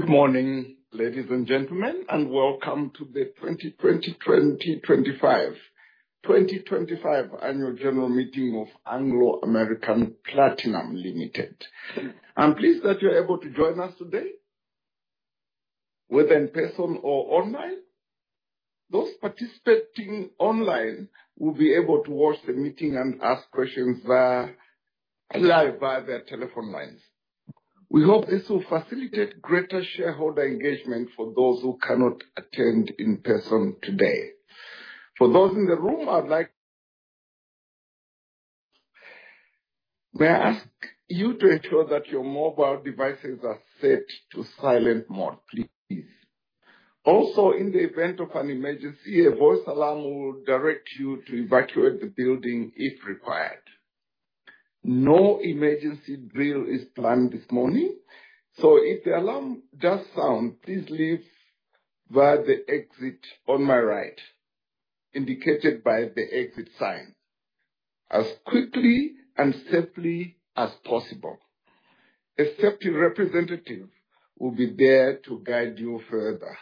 Good morning, ladies and gentlemen, and welcome to the 2020-2025 Annual General Meeting of Anglo American Platinum Limited. I'm pleased that you're able to join us today, whether in person or online. Those participating online will be able to watch the meeting and ask questions live via their telephone lines. We hope this will facilitate greater shareholder engagement for those who cannot attend in person today. For those in the room, may I ask you to ensure that your mobile devices are set to silent mode, please? Also, in the event of an emergency, a voice alarm will direct you to evacuate the building if required. No emergency drill is planned this morning, so if the alarm does sound, please leave via the exit on my right, indicated by the exit sign, as quickly and safely as possible. A safety representative will be there to guide you further.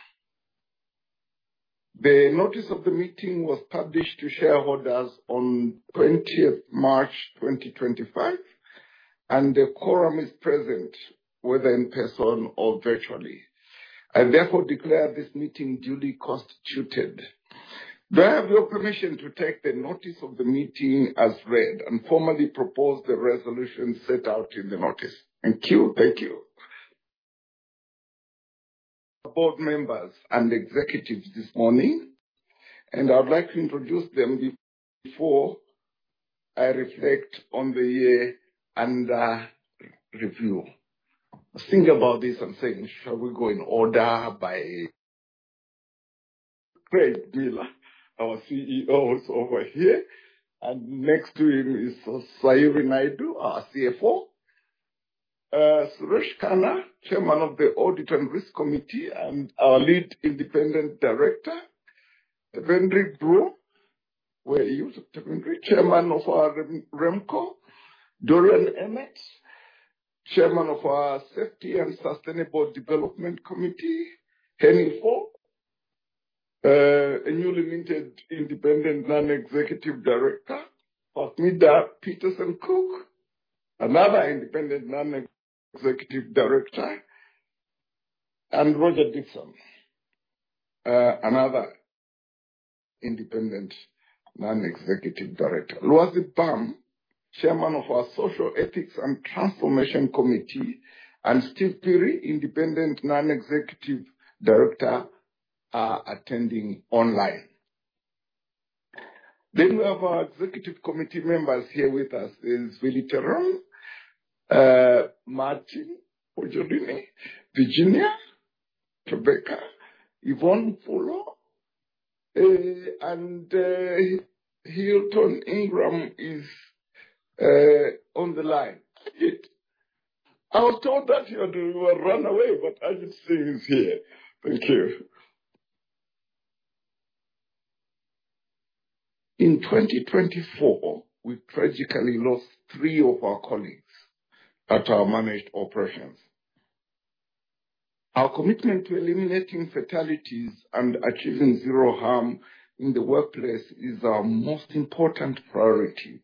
The notice of the meeting was published to shareholders on 20 March 2025, and the quorum is present, whether in person or virtually. I therefore declare this meeting duly constituted. Do I have your permission to take the notice of the meeting as read and formally propose the resolution set out in the notice? Thank you. Board members and executives this morning, and I would like to introduce them before I reflect on the year under review. I think about this and think, shall we go in order by—Craig Miller, our CEO, is over here, and next to him is Sayurie Naidoo, our CFO. Suresh Khanna, Chairman of the Audit and Risk Committee, and our lead independent director, Tevendri Brewer. Where are you, Tevendri? Chairman of our Remco. Dorian Emmett, Chairman of our Safety and Sustainable Development Committee. Henny Paul, a newly minted independent non-executive director. Pathmita Petersen Cook, another independent non-executive director. Roger Dixon, another independent non-executive director. Lwazi Bam, Chairman of our Social Ethics and Transformation Committee, and Steve Peary, independent non-executive director, are attending online. We have our executive committee members here with us: Willie Terrum, Martin Pujorini, Virginia, Rebecca, Yvonne Fuller, and Hilton Ingram is on the line. I was told that he had run away, but as you see, he's here. Thank you. In 2024, we tragically lost three of our colleagues at our managed operations. Our commitment to eliminating fatalities and achieving zero harm in the workplace is our most important priority.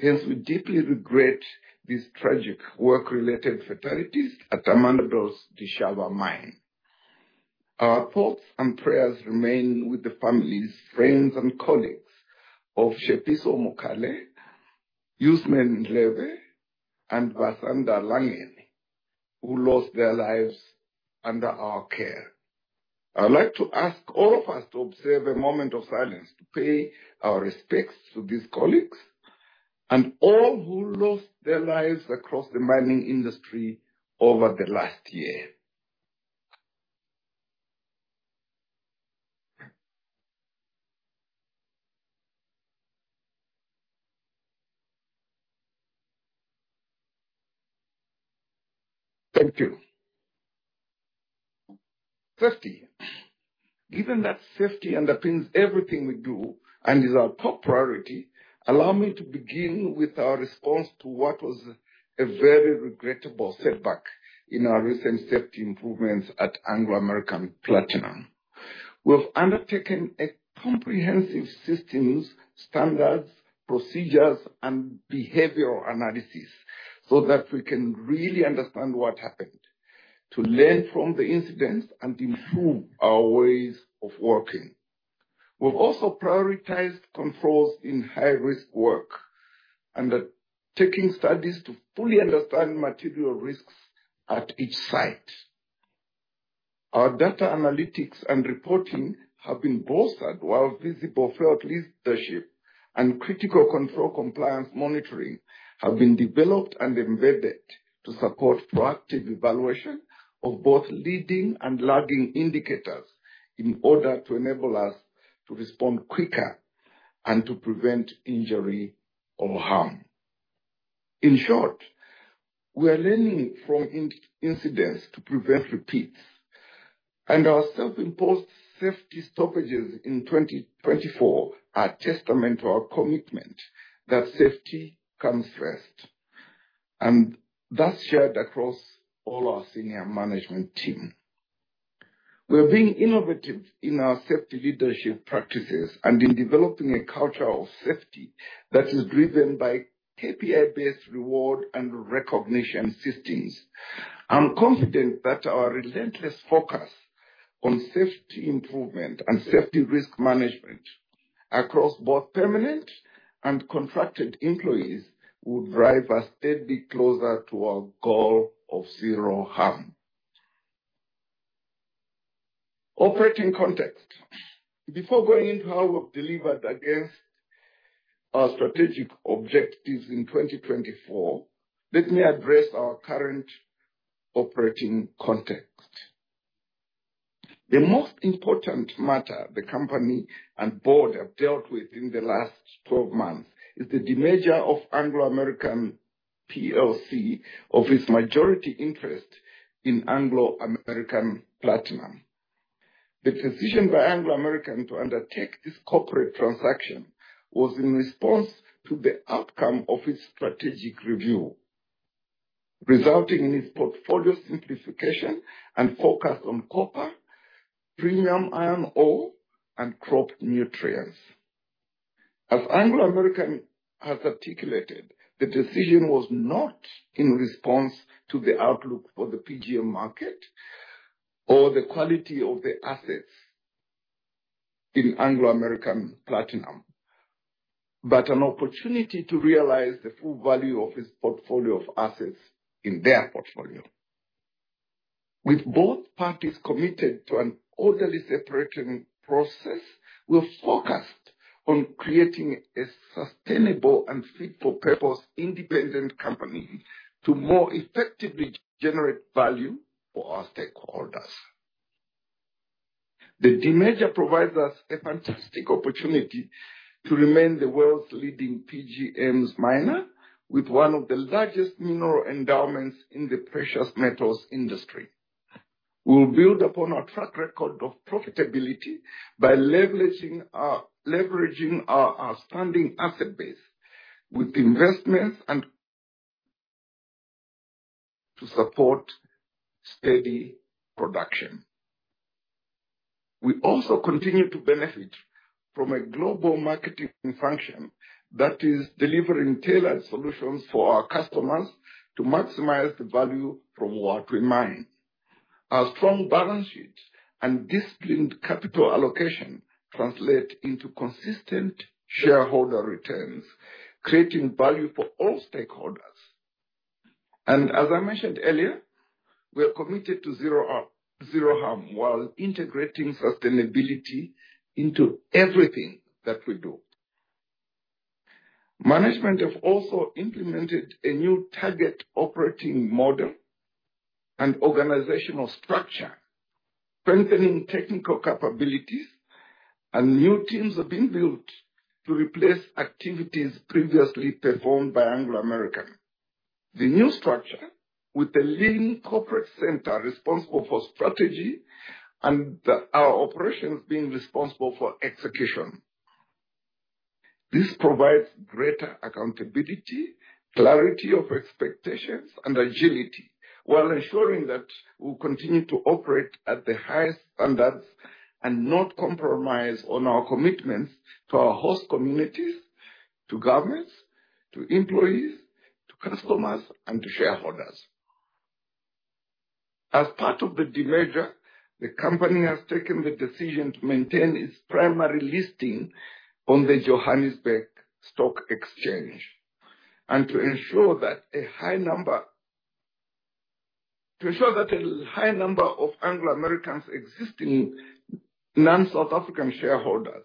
Hence, we deeply regret these tragic work-related fatalities at Amandelbult Mine. Our thoughts and prayers remain with the families, friends, and colleagues of Shepiso Mokale, Yusman Ndlovu, and Basanda Langen, who lost their lives under our care. I'd like to ask all of us to observe a moment of silence to pay our respects to these colleagues and all who lost their lives across the mining industry over the last year. Thank you. Safety. Given that safety underpins everything we do and is our top priority, allow me to begin with our response to what was a very regrettable setback in our recent safety improvements at Valterra Platinum Limited. We've undertaken a comprehensive systems, standards, procedures, and behavioral analysis so that we can really understand what happened, to learn from the incidents, and improve our ways of working. We've also prioritized controls in high-risk work, undertaking studies to fully understand material risks at each site. Our data analytics and reporting have been bolstered while visible fault leadership and critical control compliance monitoring have been developed and embedded to support proactive evaluation of both leading and lagging indicators in order to enable us to respond quicker and to prevent injury or harm. In short, we are learning from incidents to prevent repeats, and our self-imposed safety stoppages in 2024 are a testament to our commitment that safety comes first, and that's shared across all our senior management team. We are being innovative in our safety leadership practices and in developing a culture of safety that is driven by KPI-based reward and recognition systems. I'm confident that our relentless focus on safety improvement and safety risk management across both permanent and contracted employees will drive us steadily closer to our goal of zero harm. Operating context. Before going into how we've delivered against our strategic objectives in 2024, let me address our current operating context. The most important matter the company and board have dealt with in the last 12 months is the demerger of Anglo American PLC of its majority interest in Anglo American Platinum. The decision by Anglo American to undertake this corporate transaction was in response to the outcome of its strategic review, resulting in its portfolio simplification and focus on copper, premium iron ore, and crop nutrients. As Anglo American has articulated, the decision was not in response to the outlook for the PGM market or the quality of the assets in Anglo American Platinum, but an opportunity to realize the full value of its portfolio of assets in their portfolio. With both parties committed to an orderly separating process, we're focused on creating a sustainable and fit-for-purpose independent company to more effectively generate value for our stakeholders. The demerger provides us a fantastic opportunity to remain the world's leading PGMs miner, with one of the largest mineral endowments in the precious metals industry. We'll build upon our track record of profitability by leveraging our outstanding asset base with investments to support steady production. We also continue to benefit from a global marketing function that is delivering tailored solutions for our customers to maximize the value from what we mine. Our strong balance sheet and disciplined capital allocation translate into consistent shareholder returns, creating value for all stakeholders. As I mentioned earlier, we are committed to zero harm while integrating sustainability into everything that we do. Management have also implemented a new target operating model and organizational structure, strengthening technical capabilities, and new teams have been built to replace activities previously performed by Anglo American. The new structure with the leading corporate center responsible for strategy and our operations being responsible for execution. This provides greater accountability, clarity of expectations, and agility, while ensuring that we'll continue to operate at the highest standards and not compromise on our commitments to our host communities, to governments, to employees, to customers, and to shareholders. As part of the demerger, the company has taken the decision to maintain its primary listing on the Johannesburg Stock Exchange and to ensure that a high number—to ensure that a high number of Anglo American's existing non-South African shareholders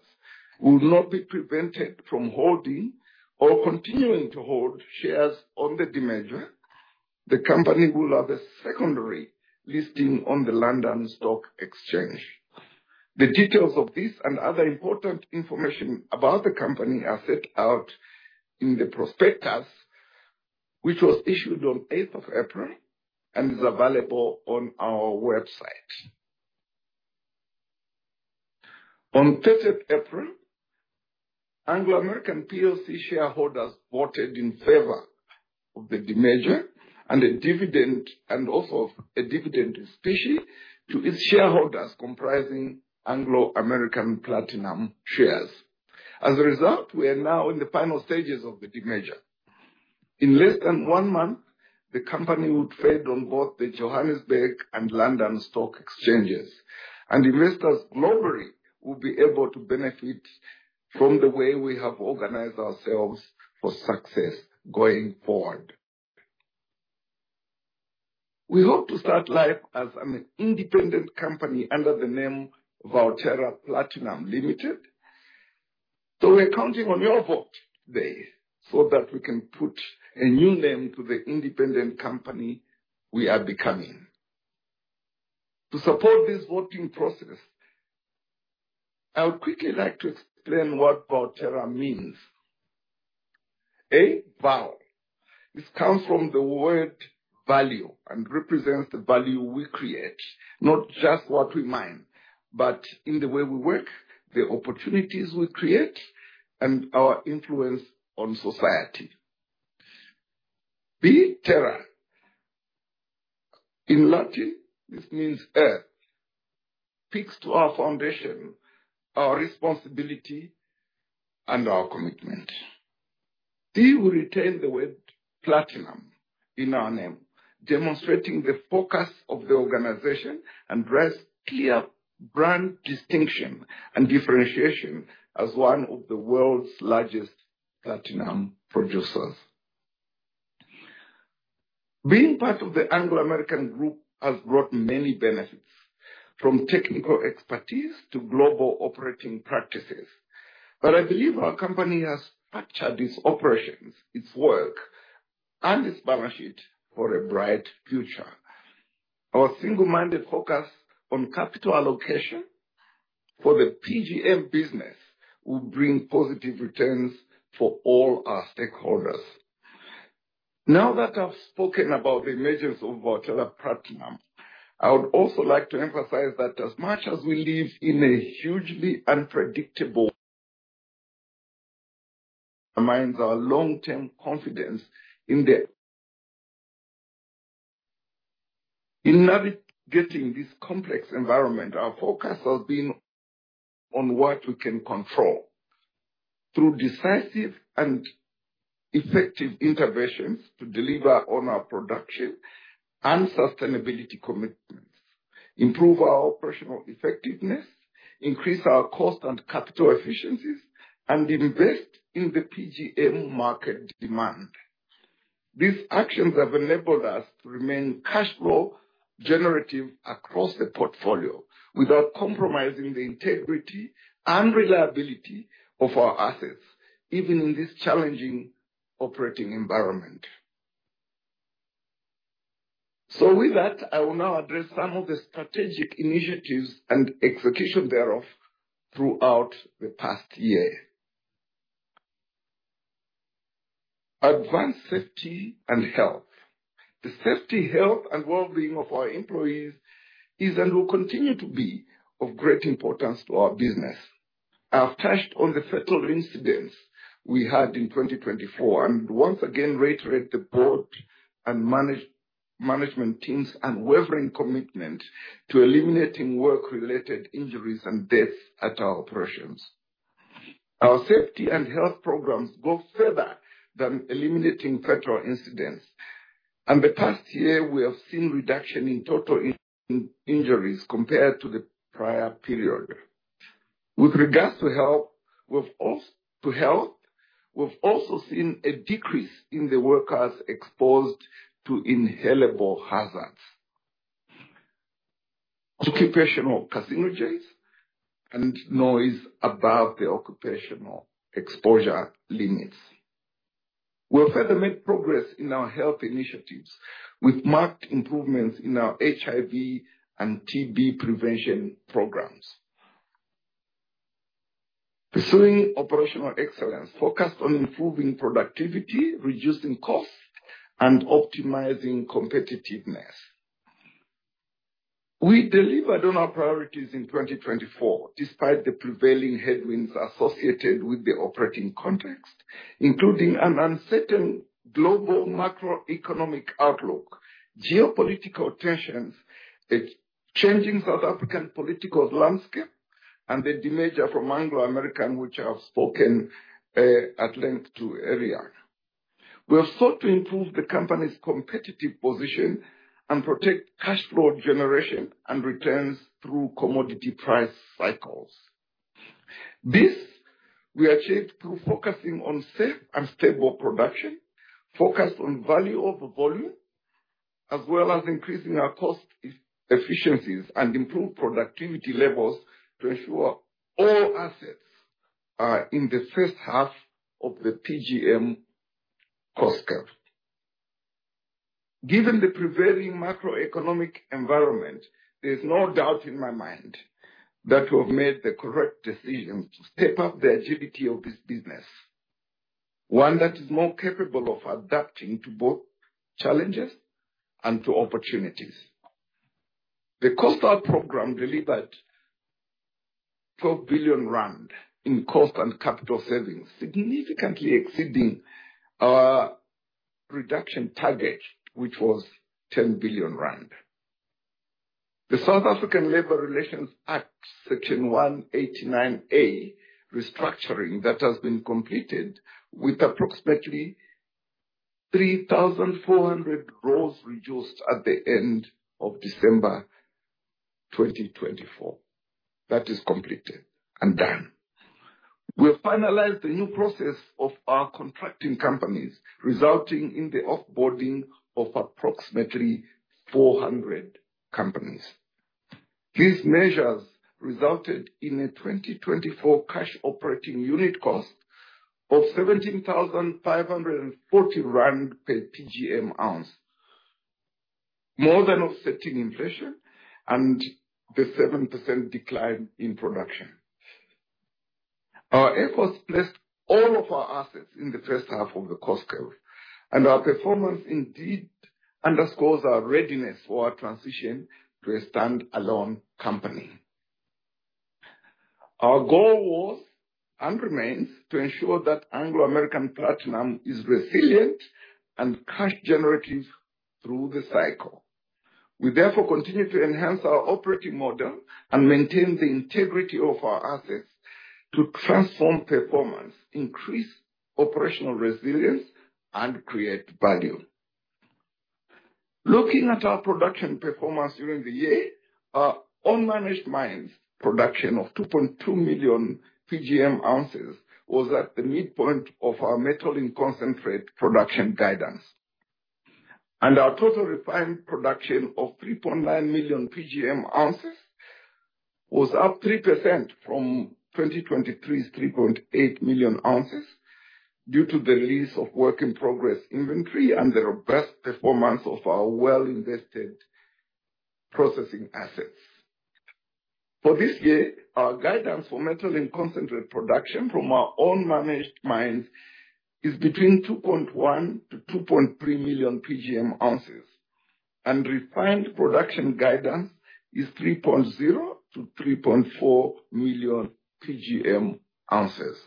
will not be prevented from holding or continuing to hold shares on the demerger. The company will have a secondary listing on the London Stock Exchange. The details of this and other important information about the company are set out in the prospectus, which was issued on 8th of April and is available on our website. On 30th April, Anglo American PLC shareholders voted in favor of the demerger and a dividend and also a dividend in specie to its shareholders comprising Anglo American Platinum shares. As a result, we are now in the final stages of the demerger. In less than one month, the company would trade on both the Johannesburg and London Stock Exchanges, and investors globally will be able to benefit from the way we have organized ourselves for success going forward. We hope to start life as an independent company under the name Valterra Platinum Limited. We're counting on your vote today so that we can put a new name to the independent company we are becoming. To support this voting process, I would quickly like to explain what Valterra means. A, val. This comes from the word value and represents the value we create, not just what we mine, but in the way we work, the opportunities we create, and our influence on society. B, terra. In Latin, this means earth. Picks to our foundation, our responsibility, and our commitment. D, we retain the word platinum in our name, demonstrating the focus of the organization and brand's clear brand distinction and differentiation as one of the world's largest platinum producers. Being part of the Anglo American group has brought many benefits, from technical expertise to global operating practices. I believe our company has captured its operations, its work, and its balance sheet for a bright future. Our single-minded focus on capital allocation for the PGM business will bring positive returns for all our stakeholders. Now that I've spoken about the emergence of Valterra Platinum, I would also like to emphasize that as much as we live in a hugely unpredictable world, our minds are long-term confidence in the—in navigating this complex environment, our focus has been on what we can control through decisive and effective interventions to deliver on our production and sustainability commitments, improve our operational effectiveness, increase our cost and capital efficiencies, and invest in the PGM market demand. These actions have enabled us to remain cash flow generative across the portfolio without compromising the integrity and reliability of our assets, even in this challenging operating environment. With that, I will now address some of the strategic initiatives and execution thereof throughout the past year. Advanced safety and health. The safety, health, and well-being of our employees is and will continue to be of great importance to our business. I've touched on the fatal incidents we had in 2024 and once again reiterate the board and management team's unwavering commitment to eliminating work-related injuries and deaths at our operations. Our safety and health programs go further than eliminating fatal incidents. In the past year, we have seen a reduction in total injuries compared to the prior period. With regards to health, we've also seen a decrease in the workers exposed to inhalable hazards, occupational carcinogens, and noise above the occupational exposure limits. We have further made progress in our health initiatives with marked improvements in our HIV and TB prevention programs. Pursuing operational excellence focused on improving productivity, reducing costs, and optimizing competitiveness. We delivered on our priorities in 2024 despite the prevailing headwinds associated with the operating context, including an uncertain global macroeconomic outlook, geopolitical tensions, a changing South African political landscape, and the demerger from Anglo American, which I've spoken at length to earlier. We have sought to improve the company's competitive position and protect cash flow generation and returns through commodity price cycles. This we achieved through focusing on safe and stable production, focused on value over volume, as well as increasing our cost efficiencies and improved productivity levels to ensure all assets are in the first half of the PGM cost curve. Given the prevailing macroeconomic environment, there's no doubt in my mind that we have made the correct decision to step up the agility of this business, one that is more capable of adapting to both challenges and to opportunities. The cost of our program delivered 12 billion rand in cost and capital savings, significantly exceeding our reduction target, which was 10 billion rand. The South African Labor Relations Act, Section 189A, restructuring that has been completed with approximately 3,400 roles reduced at the end of December 2024. That is completed and done. We have finalized the new process of our contracting companies, resulting in the offboarding of approximately 400 companies. These measures resulted in a 2024 cash operating unit cost of 17,540 rand per PGM ounce, more than offsetting inflation and the 7% decline in production. Our efforts placed all of our assets in the first half of the cost curve, and our performance indeed underscores our readiness for our transition to a standalone company. Our goal was and remains to ensure that Valterra Platinum Limited is resilient and cash generative through the cycle. We therefore continue to enhance our operating model and maintain the integrity of our assets to transform performance, increase operational resilience, and create value. Looking at our production performance during the year, our unmanaged mines' production of 2.2 million PGM ounces was at the midpoint of our methylene concentrate production guidance. Our total refined production of 3.9 million PGM ounces was up 3% from 2023's 3.8 million ounces due to the release of work in progress inventory and the robust performance of our well-invested processing assets. For this year, our guidance for concentrate production from our unmanaged mines is between 2.1-2.3 million PGM ounces, and refined production guidance is 3.0-3.4 million PGM ounces.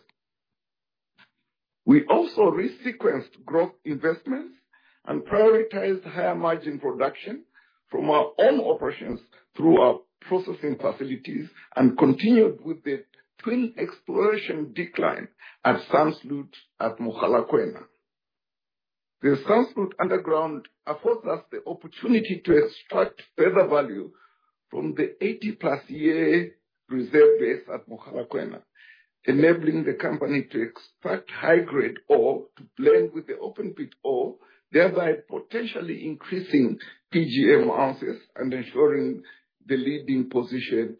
We also resequenced growth investments and prioritized higher margin production from our own operations through our processing facilities and continued with the twin exploration decline at Sand Sloot at Mogalakwena. The Sand Sloot underground affords us the opportunity to extract further value from the 80-plus year reserve base at Mogalakwena, enabling the company to extract high-grade ore to blend with the open-pit ore, thereby potentially increasing PGM ounces and ensuring the leading position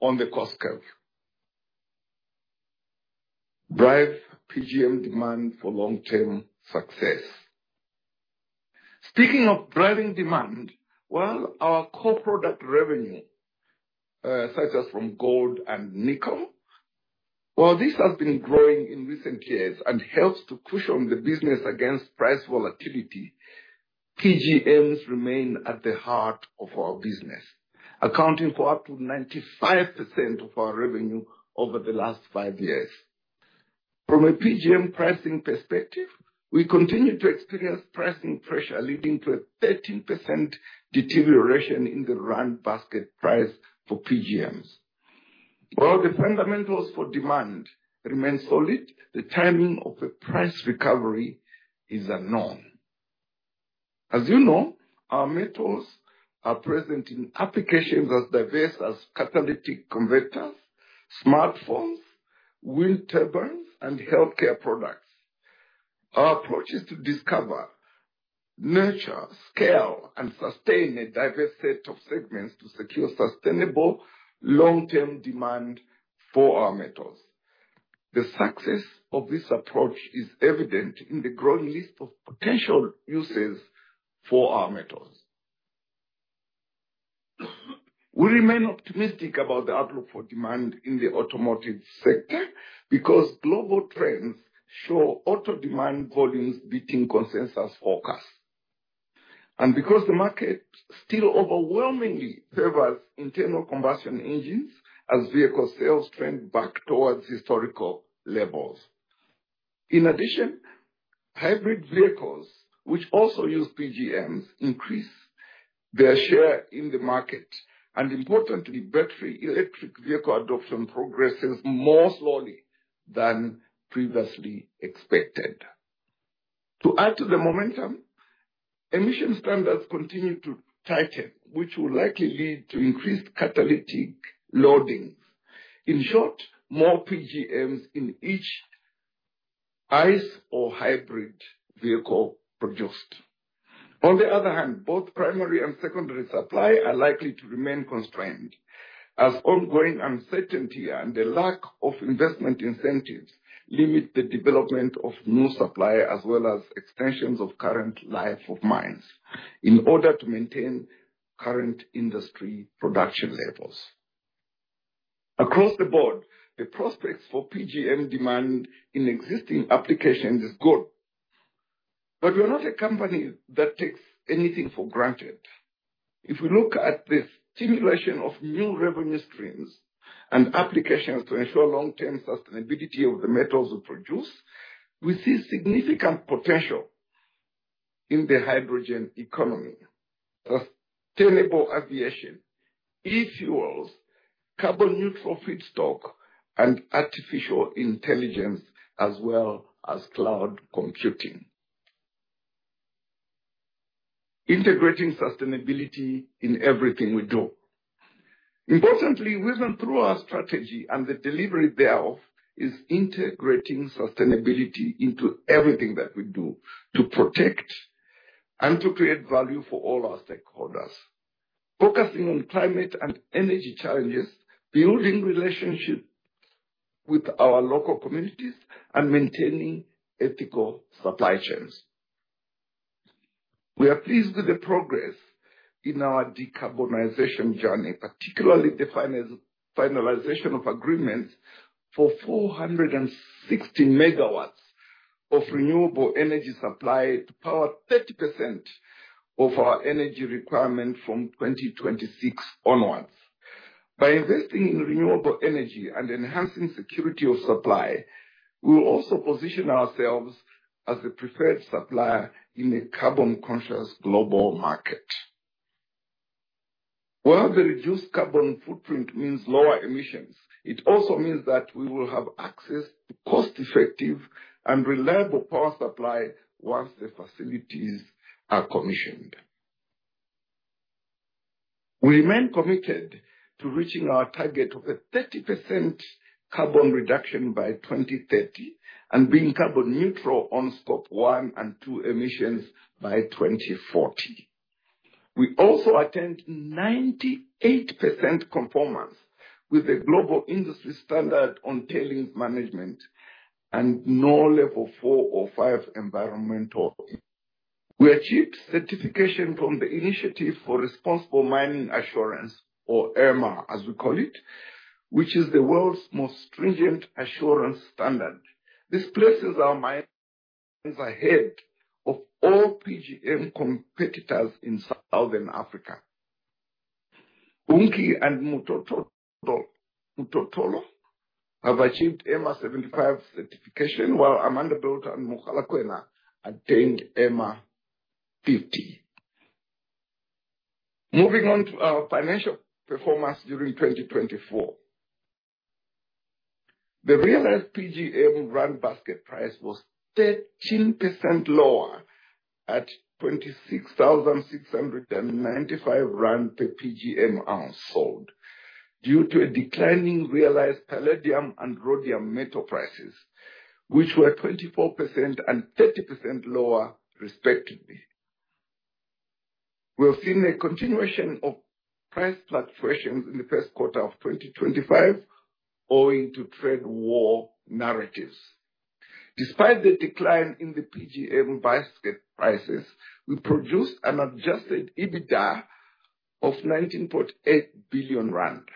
on the cost curve. Drive PGM demand for long-term success. Speaking of driving demand, while our core product revenue, such as from gold and nickel, while this has been growing in recent years and helps to cushion the business against price volatility, PGMs remain at the heart of our business, accounting for up to 95% of our revenue over the last five years. From a PGM pricing perspective, we continue to experience pricing pressure leading to a 13% deterioration in the ZAR basket price for PGMs. While the fundamentals for demand remain solid, the timing of a price recovery is unknown. As you know, our metals are present in applications as diverse as catalytic converters, smartphones, wind turbines, and healthcare products. Our approach is to discover, nurture, scale, and sustain a diverse set of segments to secure sustainable long-term demand for our metals. The success of this approach is evident in the growing list of potential uses for our metals. We remain optimistic about the outlook for demand in the automotive sector because global trends show auto demand volumes beating consensus forecasts. The market still overwhelmingly favors internal combustion engines as vehicle sales trend back towards historical levels. In addition, hybrid vehicles, which also use PGMs, increase their share in the market. Importantly, battery electric vehicle adoption progresses more slowly than previously expected. To add to the momentum, emission standards continue to tighten, which will likely lead to increased catalytic loadings. In short, more PGMs in each ICE or hybrid vehicle produced. On the other hand, both primary and secondary supply are likely to remain constrained as ongoing uncertainty and the lack of investment incentives limit the development of new supply as well as extensions of current life of mines in order to maintain current industry production levels. Across the board, the prospects for PGM demand in existing applications are good. We are not a company that takes anything for granted. If we look at the stimulation of new revenue streams and applications to ensure long-term sustainability of the metals we produce, we see significant potential in the hydrogen economy, sustainable aviation, e-fuels, carbon neutral feedstock, and artificial intelligence, as well as cloud computing. Integrating sustainability in everything we do. Importantly, even through our strategy and the delivery thereof, is integrating sustainability into everything that we do to protect and to create value for all our stakeholders, focusing on climate and energy challenges, building relationships with our local communities, and maintaining ethical supply chains. We are pleased with the progress in our decarbonization journey, particularly the finalization of agreements for 460 megawatts of renewable energy supply to power 30% of our energy requirement from 2026 onwards. By investing in renewable energy and enhancing security of supply, we will also position ourselves as the preferred supplier in a carbon-conscious global market. While the reduced carbon footprint means lower emissions, it also means that we will have access to cost-effective and reliable power supply once the facilities are commissioned. We remain committed to reaching our target of a 30% carbon reduction by 2030 and being carbon neutral on scope one and two emissions by 2040. We also attained 98% conformance with the Global Industry Standard on Tailings Management and no level four or five environmental. We achieved certification from the Initiative for Responsible Mining Assurance, or IRMA, as we call it, which is the world's most stringent assurance standard. This places our mines ahead of all PGM competitors in Southern Africa. Unki and Mototolo have achieved IRMA 75 certification, while Amandelbult and Mogalakwena attained IRMA 50. Moving on to our financial performance during 2024, the realized PGM rand basket price was 13% lower at 26,695 rand per PGM ounce sold due to declining realized palladium and rhodium metal prices, which were 24% and 30% lower respectively. We have seen a continuation of price fluctuations in the first quarter of 2025 owing to trade war narratives. Despite the decline in the PGM basket prices, we produced an adjusted EBITDA of 19.8 billion rand.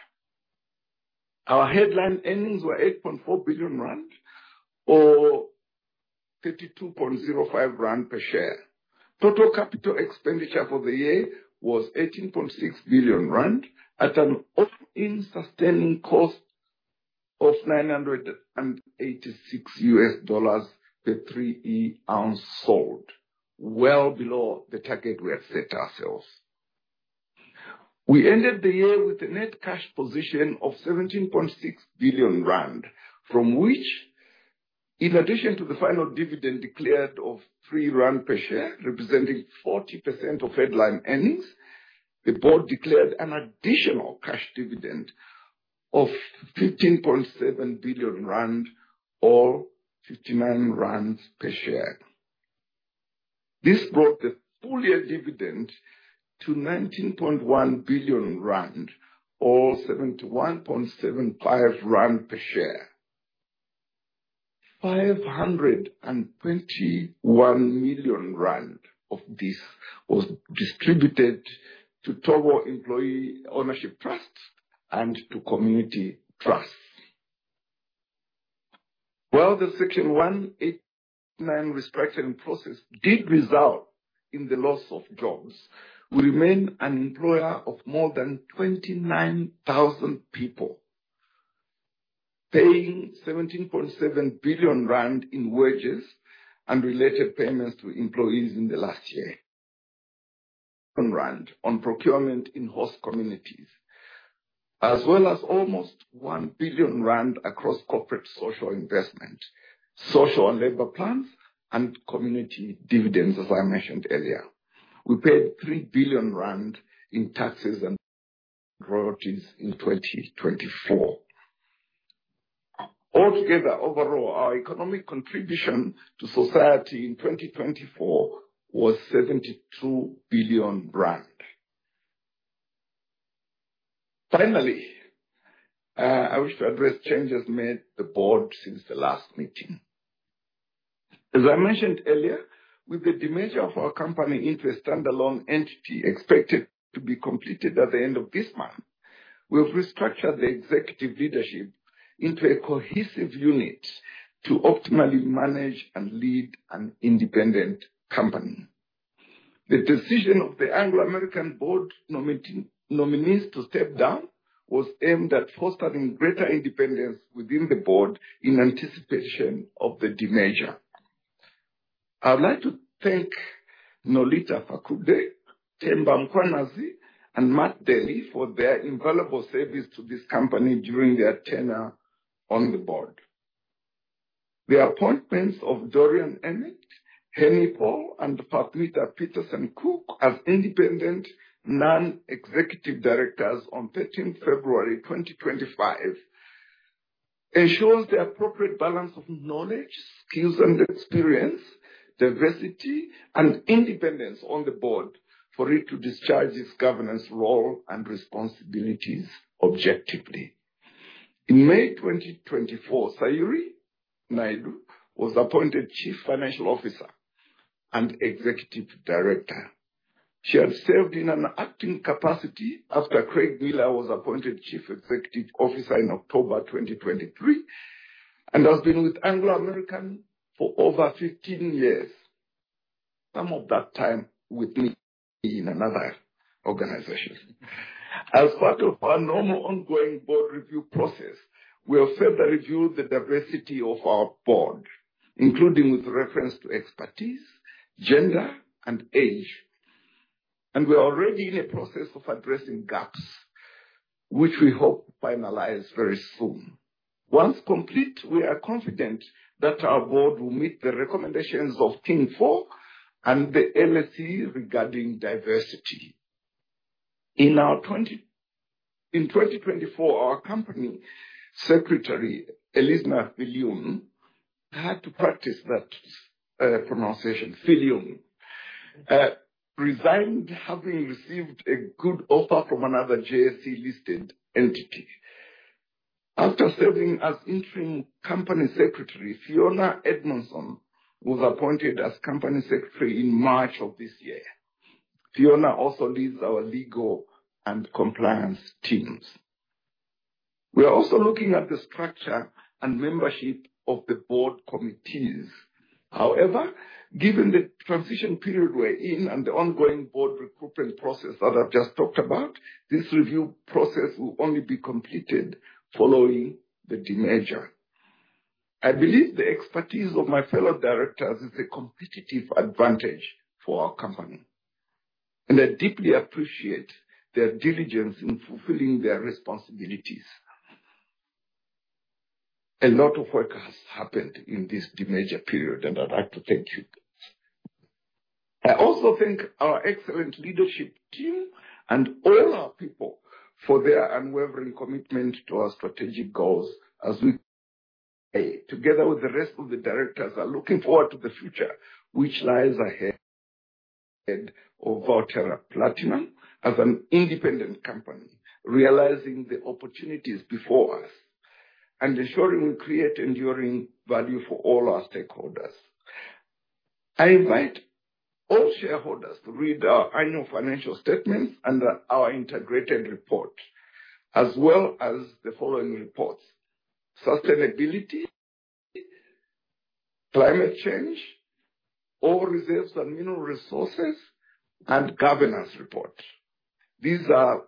Our headline earnings were 8.4 billion rand or 32.05 rand per share. Total capital expenditure for the year was 18.6 billion rand at an all-in sustaining cost of $986 per 3E ounce sold, well below the target we had set ourselves. We ended the year with a net cash position of 17.6 billion rand, from which, in addition to the final dividend declared of 3 rand per share, representing 40% of headline earnings, the board declared an additional cash dividend of 15.7 billion rand or 59 rand per share. This brought the full year dividend to 19.1 billion rand or 71.75 rand per share. 521 million rand of this was distributed to Togo Employee Ownership Trust and to community trusts. While the Section 189 restructuring process did result in the loss of jobs, we remain an employer of more than 29,000 people, paying 17.7 billion rand in wages and related payments to employees in the last year. ZAR on procurement in host communities, as well as almost 1 billion rand across corporate social investment, social and labor plans, and community dividends, as I mentioned earlier. We paid 3 billion rand in taxes and royalties in 2024. Altogether, overall, our economic contribution to society in 2024 was ZAR 72 billion. Finally, I wish to address changes made to the board since the last meeting. As I mentioned earlier, with the demerger of our company into a standalone entity expected to be completed at the end of this month, we have restructured the executive leadership into a cohesive unit to optimally manage and lead an independent company. The decision of the Anglo American board nominees to step down was aimed at fostering greater independence within the board in anticipation of the demerger. I would like to thank Nolita Fakude, Themba Mkhwanazi, and Matt Daley for their invaluable service to this company during their tenure on the board. The appointments of Dorian Emmett, Henny Paul, and Pathmita Petersen Cook as independent non-executive directors on 13 February 2025 ensures the appropriate balance of knowledge, skills, and experience, diversity, and independence on the board for it to discharge its governance role and responsibilities objectively. In May 2024, Sayurie Naidoo was appointed Chief Financial Officer and Executive Director. She had served in an acting capacity after Craig Miller was appointed Chief Executive Officer in October 2023 and has been with Anglo American for over 15 years, some of that time with me in another organization. As part of our normal ongoing board review process, we have further reviewed the diversity of our board, including with reference to expertise, gender, and age. We are already in a process of addressing gaps, which we hope to finalize very soon. Once complete, we are confident that our board will meet the recommendations of Team 4 and the LSE regarding diversity. In 2024, our company secretary, Elisner Fillion—I had to practice that pronunciation, Fillion—resigned having received a good offer from another JSE-listed entity. After serving as interim company secretary, Fiona Edmondson was appointed as company secretary in March of this year. Fiona also leads our legal and compliance teams. We are also looking at the structure and membership of the board committees. However, given the transition period we're in and the ongoing board recruitment process that I've just talked about, this review process will only be completed following the demerger. I believe the expertise of my fellow directors is a competitive advantage for our company, and I deeply appreciate their diligence in fulfilling their responsibilities. A lot of work has happened in this demerger period, and I'd like to thank you. I also thank our excellent leadership team and all our people for their unwavering commitment to our strategic goals as we, together with the rest of the directors, are looking forward to the future which lies ahead of Valterra Platinum as an independent company, realizing the opportunities before us and ensuring we create enduring value for all our stakeholders. I invite all shareholders to read our annual financial statements and our integrated report, as well as the following reports: Sustainability, Climate Change, All Reserves and Mineral Resources, and Governance Report. These are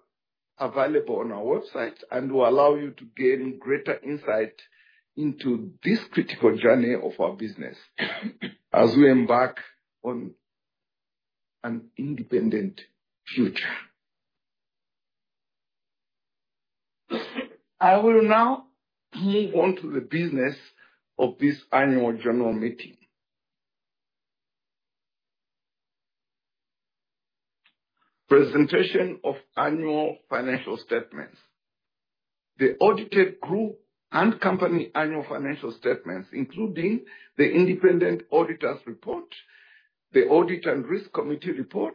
available on our website and will allow you to gain greater insight into this critical journey of our business as we embark on an independent future. I will now move on to the business of this annual general meeting. Presentation of annual financial statements. The audited group and company annual financial statements, including the independent auditor's report, the Audit and Risk Committee report,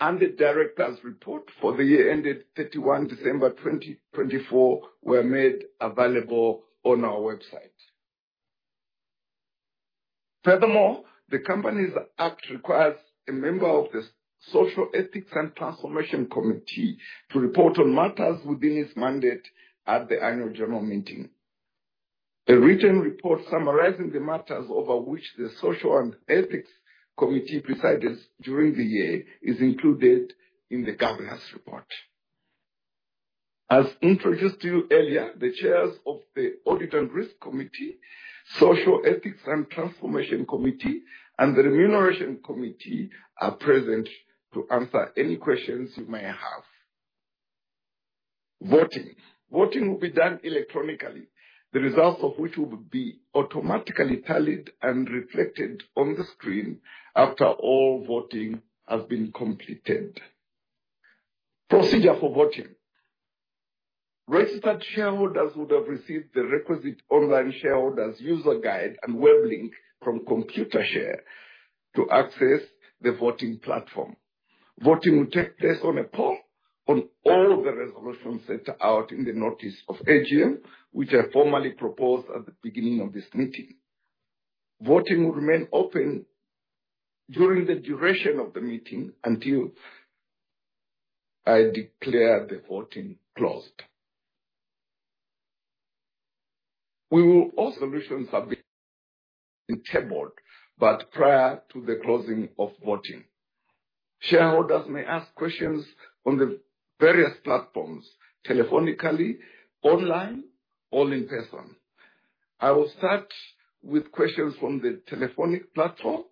and the Director's report for the year ended 31 December 2024, were made available on our website. Furthermore, the Companies Act requires a member of the Social Ethics and Transformation Committee to report on matters within its mandate at the annual general meeting. A written report summarizing the matters over which the Social and Ethics Committee presided during the year is included in the governance report. As introduced to you earlier, the chairs of the Audit and Risk Committee, Social Ethics and Transformation Committee, and the Remuneration Committee are present to answer any questions you may have. Voting. Voting will be done electronically, the results of which will be automatically tallied and reflected on the screen after all voting has been completed. Procedure for voting. Registered shareholders would have received the requisite online shareholders' user guide and web link from ComputerShare to access the voting platform. Voting will take place on a poll on all the resolutions set out in the Notice of AGM, which I formally proposed at the beginning of this meeting. Voting will remain open during the duration of the meeting until I declare the voting closed. Solutions have been tabled, but prior to the closing of voting, shareholders may ask questions on the various platforms, telephonically, online, or in person. I will start with questions from the telephonic platform,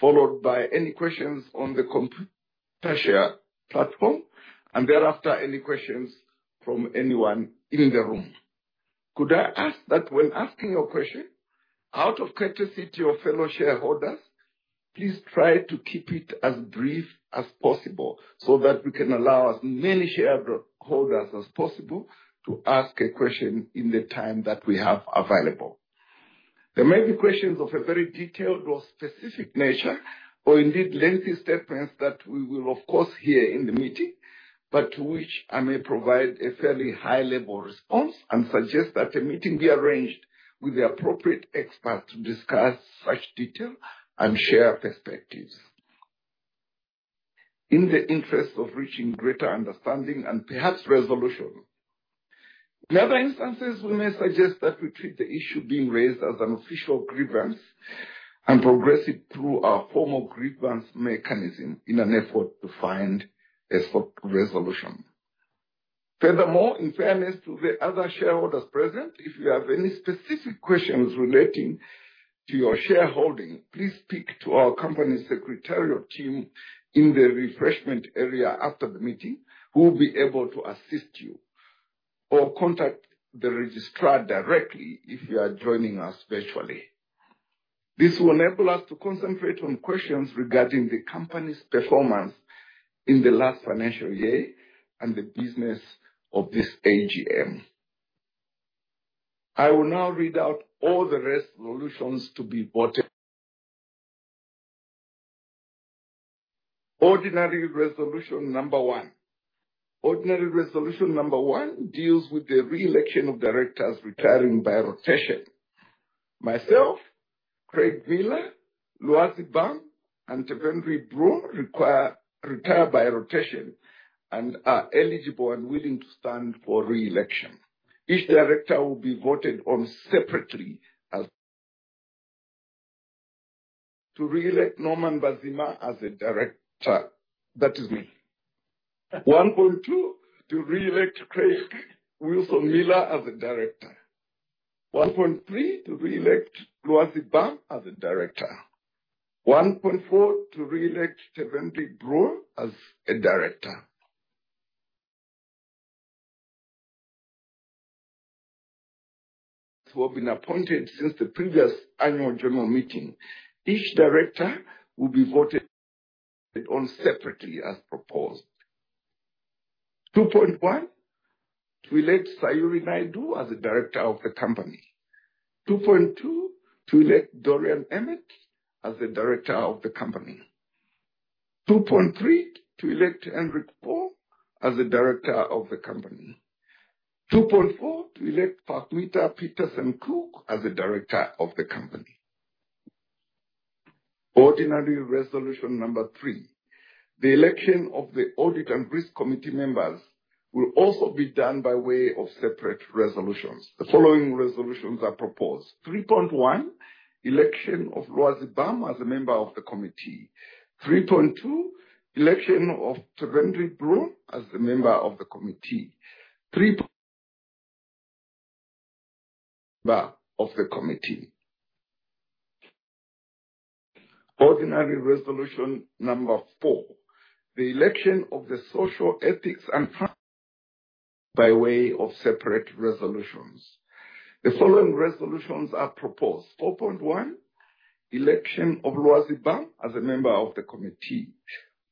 followed by any questions on the ComputerShare platform, and thereafter any questions from anyone in the room. Could I ask that when asking your question, out of courtesy to your fellow shareholders, please try to keep it as brief as possible so that we can allow as many shareholders as possible to ask a question in the time that we have available? There may be questions of a very detailed or specific nature or indeed lengthy statements that we will, of course, hear in the meeting, but to which I may provide a fairly high-level response and suggest that a meeting be arranged with the appropriate experts to discuss such detail and share perspectives in the interest of reaching greater understanding and perhaps resolution. In other instances, we may suggest that we treat the issue being raised as an official grievance and progress it through our formal grievance mechanism in an effort to find a resolution. Furthermore, in fairness to the other shareholders present, if you have any specific questions relating to your shareholding, please speak to our company secretarial team in the refreshment area after the meeting, who will be able to assist you, or contact the registrar directly if you are joining us virtually. This will enable us to concentrate on questions regarding the company's performance in the last financial year and the business of this AGM. I will now read out all the resolutions to be voted. Ordinary Resolution Number One. Ordinary Resolution Number One deals with the re-election of directors retiring by rotation. Myself, Craig Miller, Lwazi Bam, and Tevendri Brewer retire by rotation and are eligible and willing to stand for re-election. Each director will be voted on separately as to re-elect Norman Mbazima as a director. That is me. 1.2 to re-elect Craig W. Miller as a director. 1.3 to re-elect Lwazi Bam as a director. 1.4 to re-elect Tevendri Brewer as a director. Who have been appointed since the previous annual general meeting. Each director will be voted on separately as proposed. 2.1 to elect Sayurie Naidoo as a director of the company. 2.2 to elect Dorian Emmett as the director of the company. 2.3 to elect Henny Paul as the director of the company. 2.4 to elect Pathmita Petersen Cook as the director of the company. Ordinary Resolution Number Three. The election of the Audit and Risk Committee members will also be done by way of separate resolutions. The following resolutions are proposed. 3.1 Election of Lwazi Bam as a member of the committee. 3.2 Election of Tevendri Brewer as the member of the committee. 3.3 Member of the committee. Ordinary Resolution Number Four. The election of the Social Ethics and by way of separate resolutions. The following resolutions are proposed. 4.1 Election of Lwazi Bam as a member of the committee.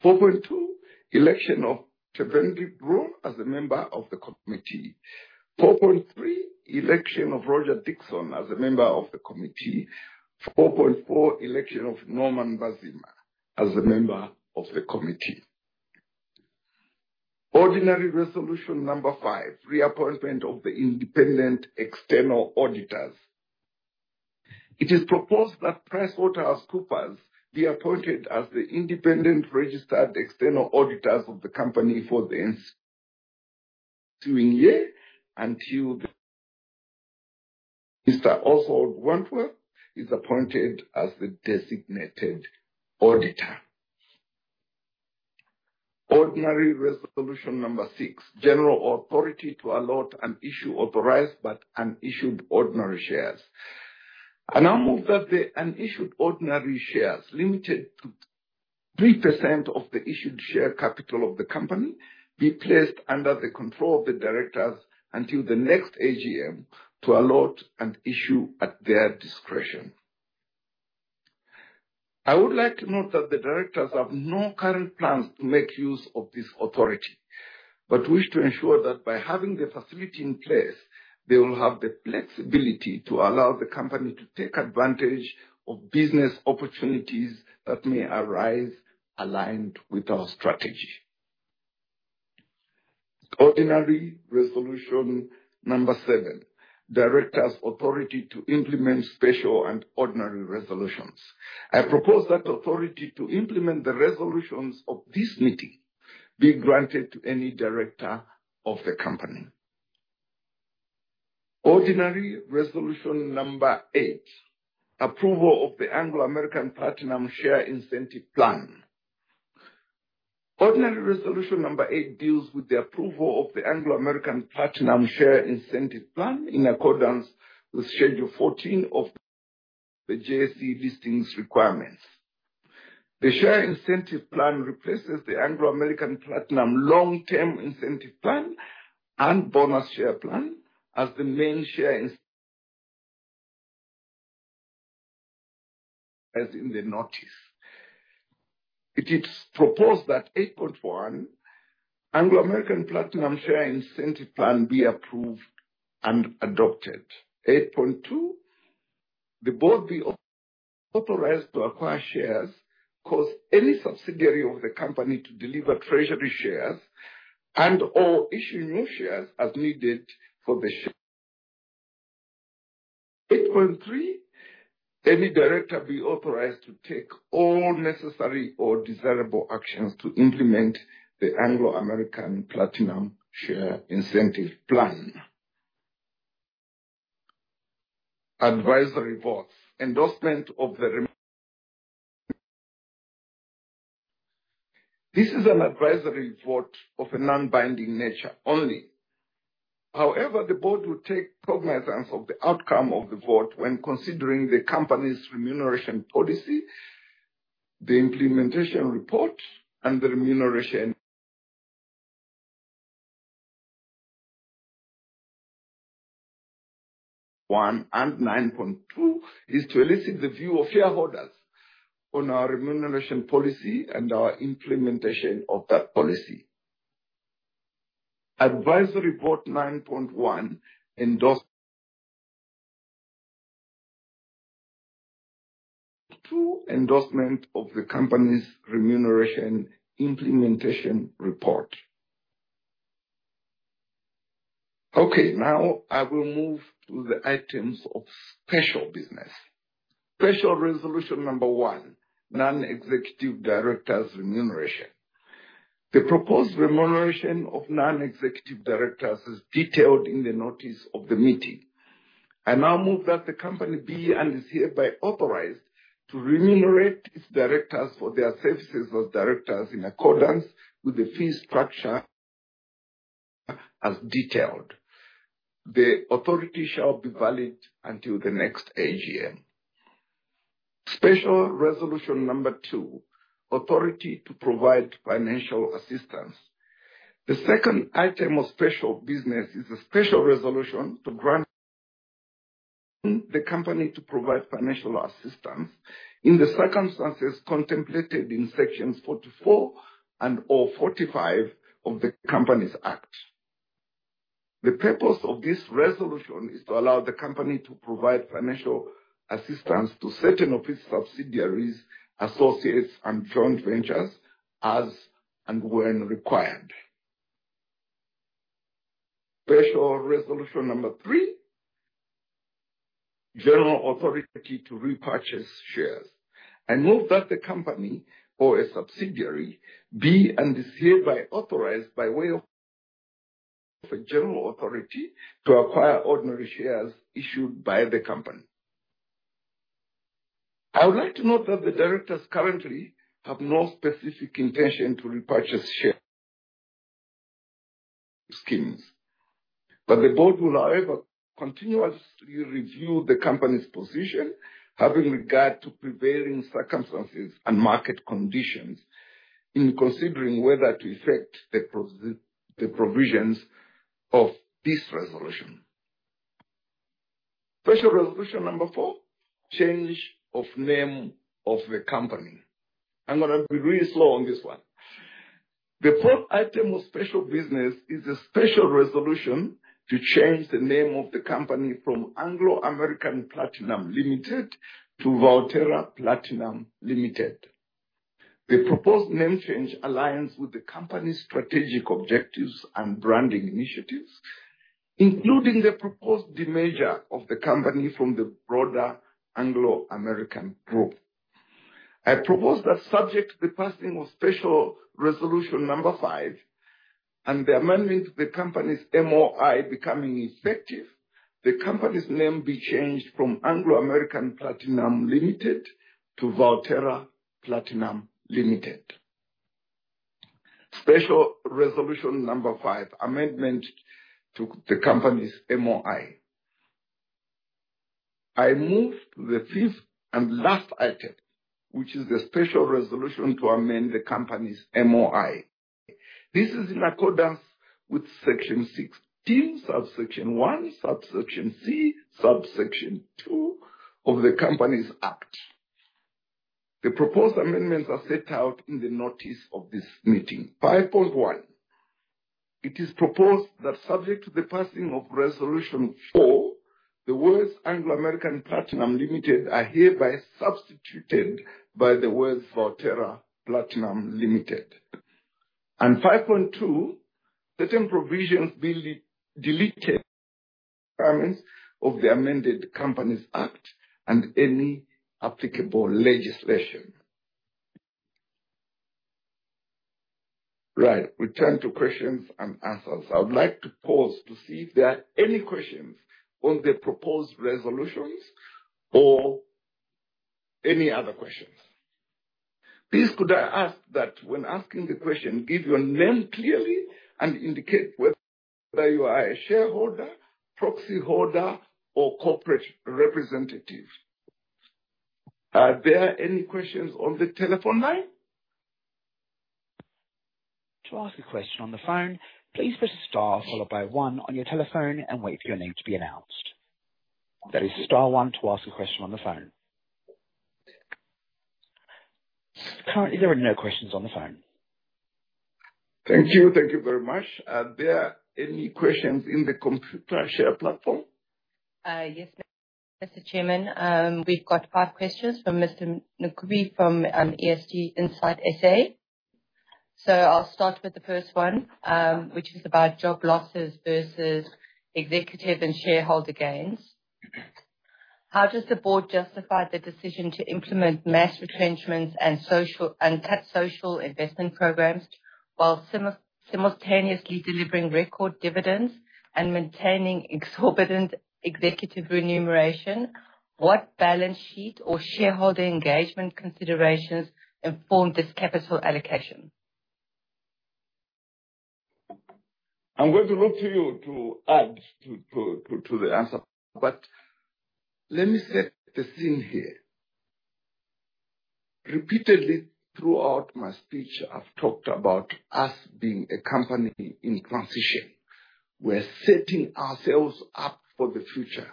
4.2 Election of Tevendri Brewer as a member of the committee. 4.3 Election of Roger Dixon as a member of the committee. 4.4 Election of Norman Mbazima as a member of the committee. Ordinary Resolution Number Five. Reappointment of the independent external auditors. It is proposed that PricewaterhouseCoopers be appointed as the independent registered external auditors of the company for the ensuing year until Mr. Oswald Wentworth is appointed as the designated auditor. Ordinary Resolution Number Six. General authority to allot and issue authorized but unissued ordinary shares. I now move that the unissued ordinary shares, limited to 3% of the issued share capital of the company, be placed under the control of the directors until the next AGM to allot and issue at their discretion. I would like to note that the directors have no current plans to make use of this authority, but wish to ensure that by having the facility in place, they will have the flexibility to allow the company to take advantage of business opportunities that may arise aligned with our strategy. Ordinary Resolution Number Seven. Directors' authority to implement special and ordinary resolutions. I propose that authority to implement the resolutions of this meeting be granted to any director of the company. Ordinary Resolution Number Eight. Approval of the Anglo American Platinum Share Incentive Plan. Ordinary Resolution Number Eight deals with the approval of the Anglo American Platinum Share Incentive Plan in accordance with Schedule 14 of the JSE Listings Requirements. The Share Incentive Plan replaces the Anglo American Platinum Long-Term Incentive Plan and Bonus Share Plan as the main share incentive as in the notice. It is proposed that 8.1 Valterra Platinum Limited Share Incentive Plan be approved and adopted. 8.2 The board be authorized to acquire shares, cause any subsidiary of the company to deliver treasury shares, and/or issue new shares as needed for the shares. 8.3 Any director be authorized to take all necessary or desirable actions to implement the Valterra Platinum Limited Share Incentive Plan. Advisory Vote. Endorsement of the remarks. This is an advisory vote of a non-binding nature only. However, the board will take cognizance of the outcome of the vote when considering the company's remuneration policy, the implementation report, and the remuneration. One and 9.2 is to elicit the view of shareholders on our remuneration policy and our implementation of that policy. Advisory Vote 9.1. Endorsement. Endorsement of the company's remuneration implementation report. Okay, now I will move to the items of special business. Special Resolution Number One. Non-Executive Directors' Remuneration. The proposed remuneration of non-executive directors is detailed in the notice of the meeting. I now move that the company be and is hereby authorized to remunerate its directors for their services as directors in accordance with the fee structure as detailed. The authority shall be valid until the next AGM. Special Resolution Number Two. Authority to provide financial assistance. The second item of special business is a special resolution to grant the company to provide financial assistance in the circumstances contemplated in Sections 44 and/or 45 of the Companies Act. The purpose of this resolution is to allow the company to provide financial assistance to certain of its subsidiaries, associates, and joint ventures as and when required. Special Resolution Number Three. General Authority to Repurchase Shares. I move that the company or a subsidiary be and is hereby authorized by way of a general authority to acquire ordinary shares issued by the company. I would like to note that the directors currently have no specific intention to repurchase share schemes, but the board will, however, continuously review the company's position having regard to prevailing circumstances and market conditions in considering whether to effect the provisions of this resolution. Special Resolution Number Four. Change of name of the company. I'm going to be really slow on this one. The fourth item of special business is a special resolution to change the name of the company from Anglo American Platinum Limited to Valterra Platinum Limited. The proposed name change aligns with the company's strategic objectives and branding initiatives, including the proposed demerger of the company from the broader Anglo American Group. I propose that subject to the passing of Special Resolution Number Five and the amendment to the company's MOI becoming effective, the company's name be changed from Anglo American Platinum Limited to Valterra Platinum Limited. Special Resolution Number Five. Amendment to the company's MOI. I move to the fifth and last item, which is the special resolution to amend the company's MOI. This is in accordance with Section 16, Subsection 1, Subsection C, Subsection 2 of the Companies Act. The proposed amendments are set out in the notice of this meeting. 5.1. It is proposed that subject to the passing of Resolution Four, the words Anglo American Platinum Limited are hereby substituted by the words Valterra Platinum Limited. 5.2, certain provisions be deleted from the amended Companies Act and any applicable legislation. Right. Return to questions and answers. I would like to pause to see if there are any questions on the proposed resolutions or any other questions. Please could I ask that when asking the question, give your name clearly and indicate whether you are a shareholder, proxy holder, or corporate representative. Are there any questions on the telephone line? To ask a question on the phone, please press Star followed by One on your telephone and wait for your name to be announced. That is Star One to ask a question on the phone. Currently, there are no questions on the phone. Thank you. Thank you very much. Are there any questions in the ComputerShare platform? Yes, Mr. Chairman. We've got five questions from Mr. Nukubi from ESG Insight SA. I'll start with the first one, which is about job losses versus executive and shareholder gains. How does the board justify the decision to implement mass retrenchments and social investment programs while simultaneously delivering record dividends and maintaining exorbitant executive remuneration? What balance sheet or shareholder engagement considerations informed this capital allocation? I'm going to look to you to add to the answer, but let me set the scene here. Repeatedly throughout my speech, I've talked about us being a company in transition. We're setting ourselves up for the future.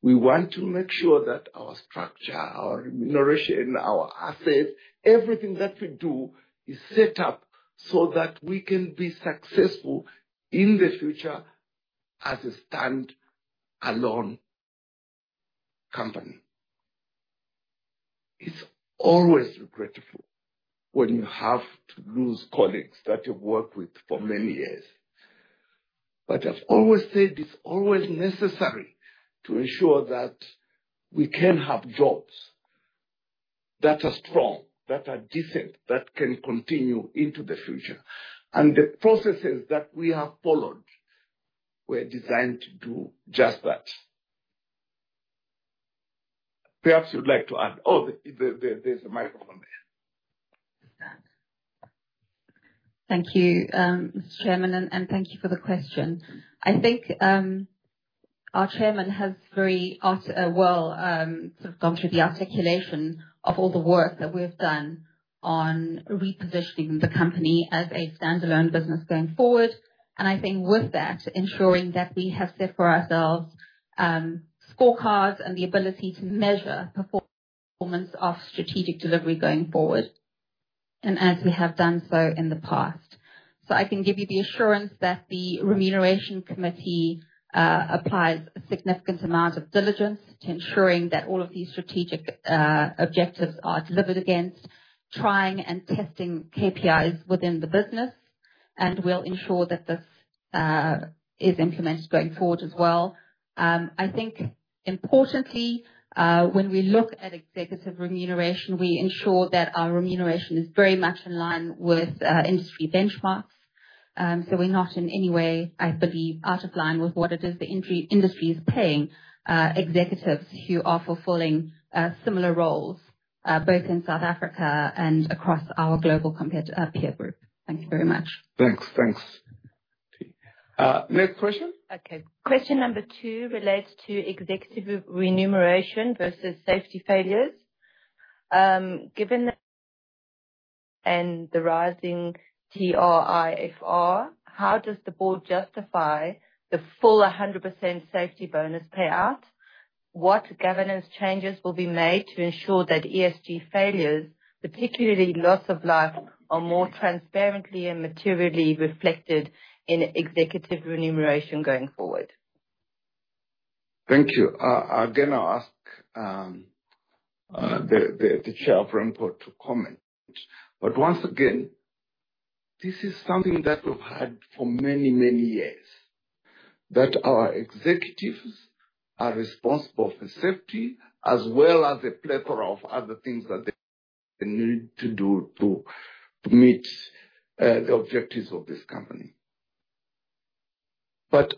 We want to make sure that our structure, our remuneration, our assets, everything that we do is set up so that we can be successful in the future as a stand-alone company. It's always regrettable when you have to lose colleagues that you've worked with for many years. I've always said it's always necessary to ensure that we can have jobs that are strong, that are decent, that can continue into the future. The processes that we have followed were designed to do just that. Perhaps you'd like to add, oh, there's a microphone there. Thank you, Mr. Chairman, and thank you for the question. I think our Chairman has very well sort of gone through the articulation of all the work that we've done on repositioning the company as a stand-alone business going forward. I think with that, ensuring that we have set for ourselves scorecards and the ability to measure performance of strategic delivery going forward, and as we have done so in the past. I can give you the assurance that the Remuneration Committee applies a significant amount of diligence to ensuring that all of these strategic objectives are delivered against, trying and testing KPIs within the business, and we'll ensure that this is implemented going forward as well. I think importantly, when we look at executive remuneration, we ensure that our remuneration is very much in line with industry benchmarks. We are not in any way, I believe, out of line with what it is the industry is paying executives who are fulfilling similar roles both in South Africa and across our global peer group. Thank you very much. Next question. Okay. Question number two relates to executive remuneration versus safety failures. Given the rising TRIFR, how does the board justify the full 100% safety bonus payout? What governance changes will be made to ensure that ESG failures, particularly loss of life, are more transparently and materially reflected in executive remuneration going forward? Thank you. Again, I'll ask the chair of the report to comment. Once again, this is something that we've had for many, many years, that our executives are responsible for safety as well as a plethora of other things that they need to do to meet the objectives of this company.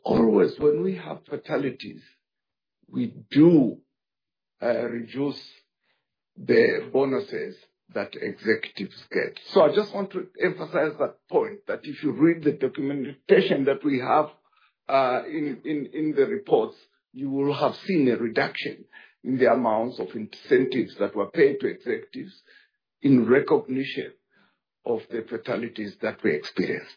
Always, when we have fatalities, we do reduce the bonuses that executives get. I just want to emphasize that point, that if you read the documentation that we have in the reports, you will have seen a reduction in the amounts of incentives that were paid to executives in recognition of the fatalities that we experienced.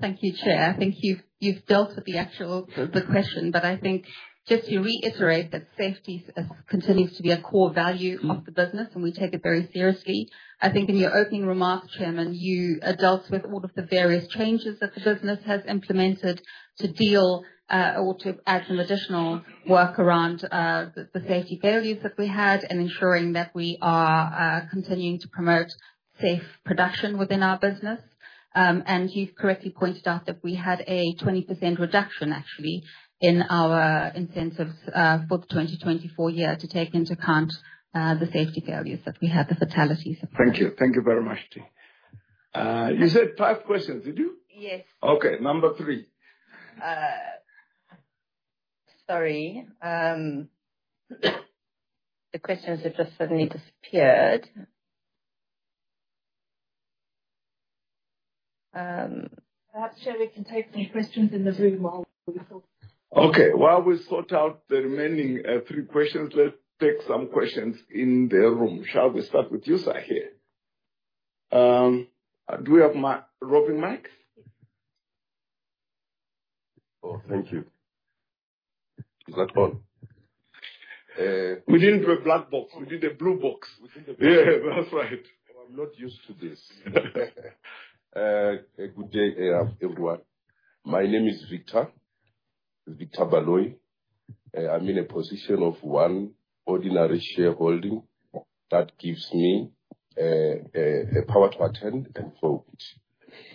Thank you, Chair. I think you've dealt with the actual question, but I think just to reiterate that safety continues to be a core value of the business, and we take it very seriously. I think in your opening remarks, Chairman, you dealt with all of the various changes that the business has implemented to deal or to add some additional work around the safety failures that we had and ensuring that we are continuing to promote safe production within our business. You have correctly pointed out that we had a 20% reduction, actually, in our incentives for the 2024 year to take into account the safety failures that we had, the fatalities. Thank you. Thank you very much. You said five questions, did you? Yes. Okay. Number three. Sorry. The questions have just suddenly disappeared. Perhaps, Chair, we can take some questions in the room while we sort. Okay. While we sort out the remaining three questions, let's take some questions in the room. Shall we start with you, Sahir? Do we have my roving mics? Oh, thank you. Is that on? We did not do a black box. We did a blue box. We did a blue box. Yeah, that is right. I am not used to this. Good day, everyone. My name is Victor, Victor Balloy. I am in a position of one ordinary shareholder that gives me a power to attend and vote.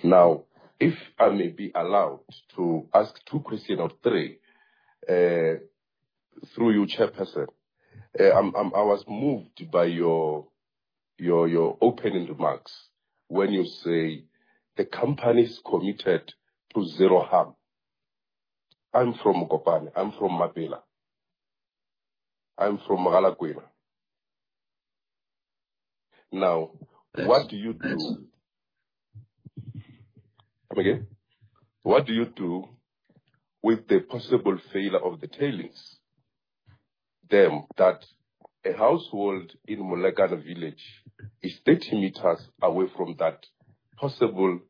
Now, if I may be allowed to ask two questions or three through you, Chairperson, I was moved by your opening remarks when you say the company is committed to zero harm. I am from Gopan. I am from Mapela. I am from Malagueima. Now, what do you do? Come again? What do you do with the possible failure of the tailings? Them that a household in Mulegana Village is 30 meters away from that possible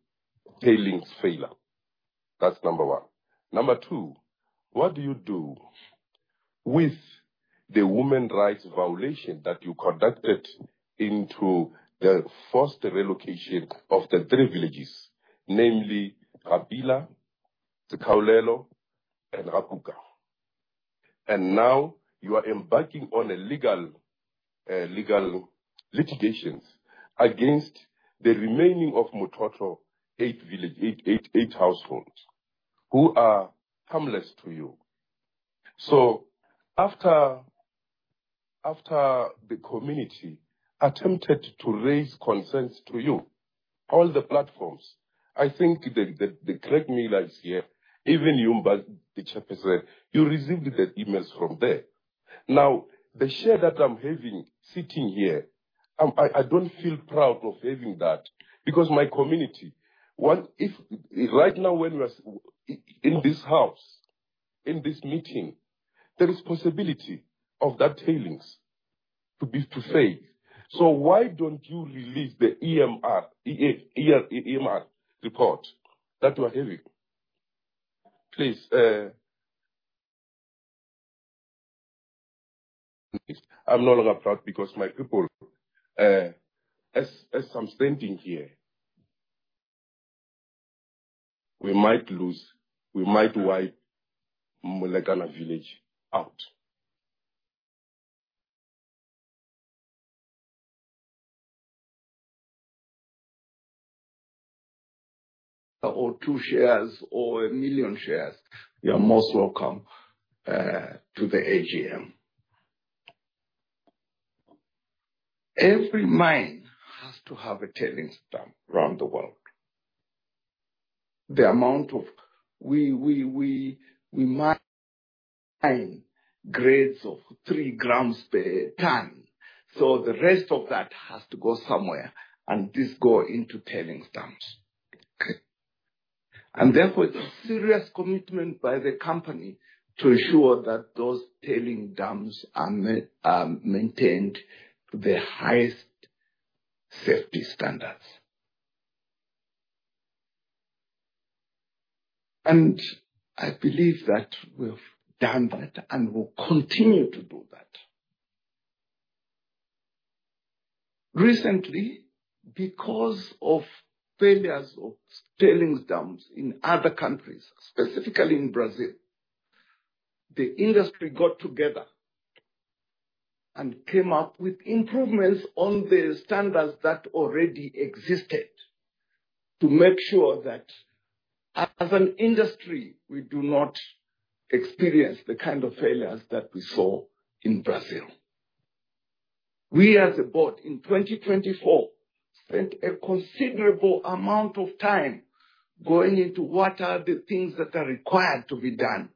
tailings failure. That is number one. Number two, what do you do with the women's rights violation that you conducted into the forced relocation of the three villages, namely Kabila, Takaulelo, and Rabuka? Now you are embarking on legal litigations against the remaining of Mototolo eight villages, eight households who are harmless to you. After the community attempted to raise concerns to you, all the platforms, I think the correct media is here, even you, Mr. Chairperson, you received the emails from there. Now, the share that I'm sitting here, I don't feel proud of having that because my community, right now when we are in this house, in this meeting, there is possibility of that tailings to be too faint. Why don't you release the EMR report that you are having? Please. I'm no longer proud because my people, as I'm standing here, we might lose, we might wipe Mulegana Village out. Or two shares or a million shares, you're most welcome to the AGM. Every mine has to have a tailings dam around the world. The amount of we mine grades of three grams per ton. The rest of that has to go somewhere and this goes into tailings dams. Therefore, it's a serious commitment by the company to ensure that those tailings dams are maintained to the highest safety standards. I believe that we've done that and we'll continue to do that. Recently, because of failures of tailings dams in other countries, specifically in Brazil, the industry got together and came up with improvements on the standards that already existed to make sure that as an industry, we do not experience the kind of failures that we saw in Brazil. We, as a board, in 2024, spent a considerable amount of time going into what are the things that are required to be done.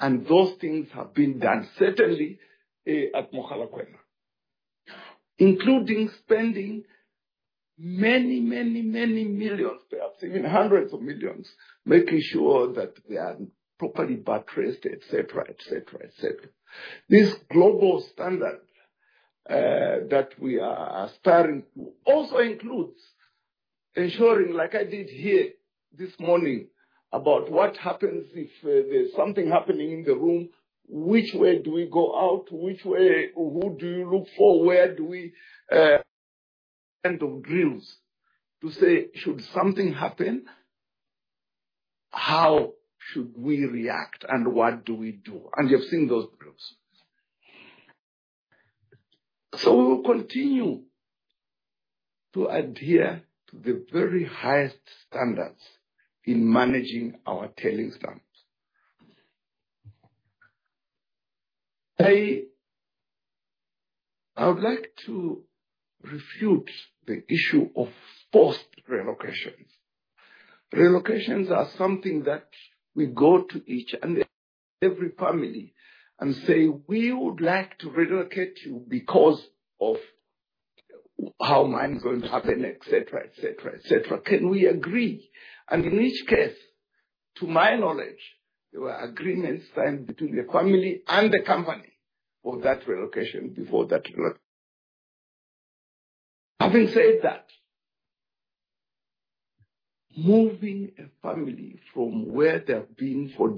Those things have been done, certainly at Mogalakwena, including spending many, many, many millions, perhaps even hundreds of millions, making sure that they are properly batterized, etc., etc., etc. This global standard that we are aspiring to also includes ensuring, like I did here this morning, about what happens if there is something happening in the room, which way do we go out, which way, who do you look for, where do we send drills to say, "Should something happen, how should we react and what do we do?" You have seen those drills. We will continue to adhere to the very highest standards in managing our tailings dams. I would like to refute the issue of forced relocations. Relocations are something that we go to each and every family and say, "We would like to relocate you because of how mine is going to happen," etc., etc., etc. Can we agree? In each case, to my knowledge, there were agreements signed between the family and the company for that relocation before that relocation. Having said that, moving a family from where they've been for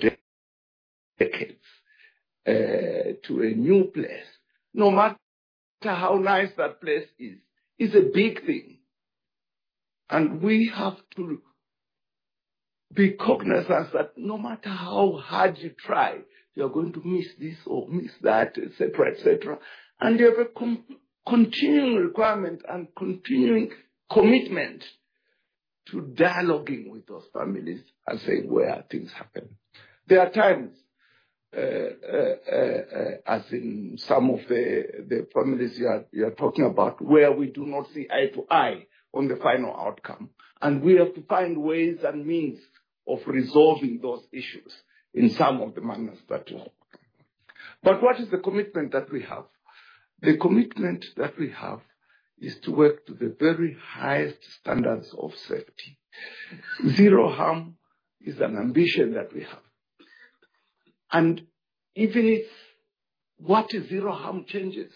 decades to a new place, no matter how nice that place is, is a big thing. We have to be cognizant that no matter how hard you try, you're going to miss this or miss that, etc., etc. You have a continuing requirement and continuing commitment to dialoguing with those families and saying where things happen. There are times, as in some of the families you are talking about, where we do not see eye to eye on the final outcome. We have to find ways and means of resolving those issues in some of the manners that you have. What is the commitment that we have? The commitment that we have is to work to the very highest standards of safety. Zero harm is an ambition that we have. Even if what is zero harm changes,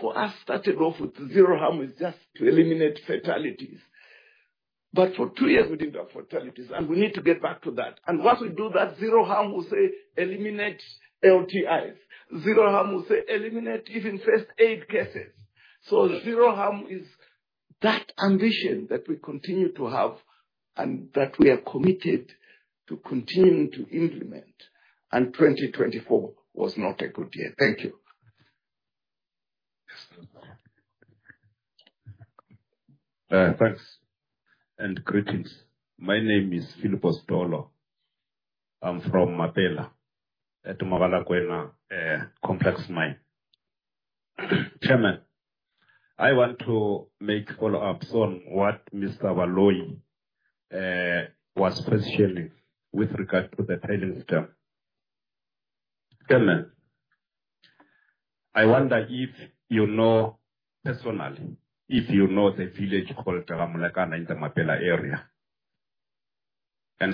for us, it started off with zero harm as just to eliminate fatalities. For two years, we did not have fatalities, and we need to get back to that. Once we do that, zero harm will say eliminate LTIs. Zero harm will say eliminate even first aid cases. Zero harm is that ambition that we continue to have and that we are committed to continuing to implement. 2024 was not a good year. Thank you. Thanks. Greetings. My name is Philip Osdolo. I'm from Mapela, at Mogalakwena Complex Mine. Chairman, I want to make follow-ups on what Mr. Baloy was positioning with regard to the tailings dam. Chairman, I wonder if you know personally, if you know the village called Mulegana in the Mapela area.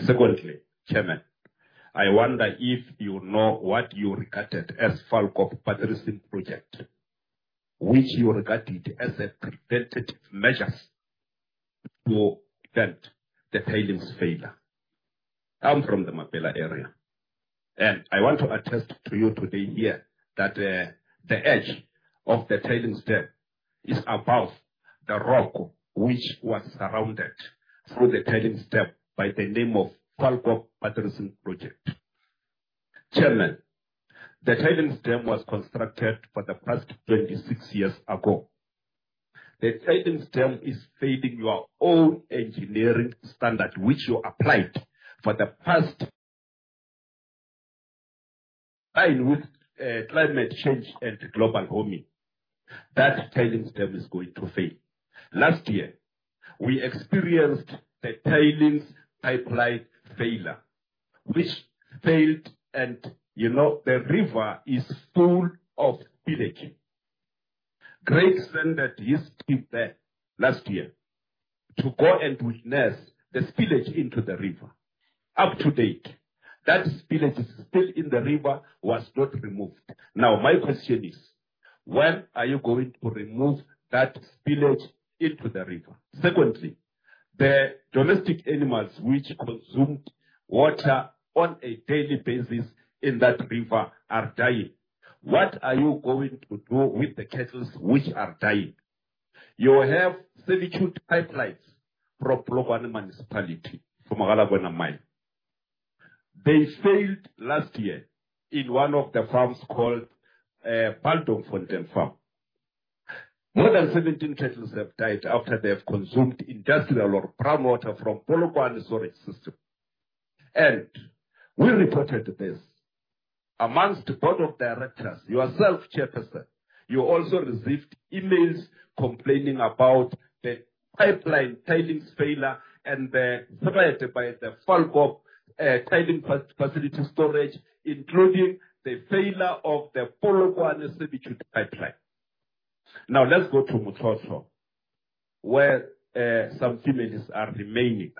Secondly, Chairman, I wonder if you know what you regarded as Falco Patterson Project, which you regarded as a preventative measure to prevent the tailings failure. I'm from the Mapela area. I want to attest to you today here that the edge of the tailings dam is above the rock which was surrounded through the tailings dam by the name of Falco Patterson Project. Chairman, the tailings dam was constructed for the past 26 years ago. The tailings dam is failing your own engineering standard which you applied for the past line with climate change and global warming. That tailings dam is going to fail. Last year, we experienced the tailings pipeline failure, which failed, and the river is full of spillage. Greg Sanders is still there last year to go and witness the spillage into the river. Up to date, that spillage is still in the river, was not removed. Now, my question is, when are you going to remove that spillage into the river? Secondly, the domestic animals which consumed water on a daily basis in that river are dying. What are you going to do with the cattle which are dying? You have servitude pipelines from Mogalakwena Mine. They failed last year in one of the farms called Baldon Fountain Farm. More than 17 cattle have died after they have consumed industrial or groundwater from Pologwana's sewage system. And we reported this amongst board of directors. Yourself, Chairperson, you also received emails complaining about the pipeline tailings failure and the threat by the Falco Tailings Facility storage, including the failure of the Pologwana servitude pipeline. Now, let's go to Mototolo, where some females are remaining.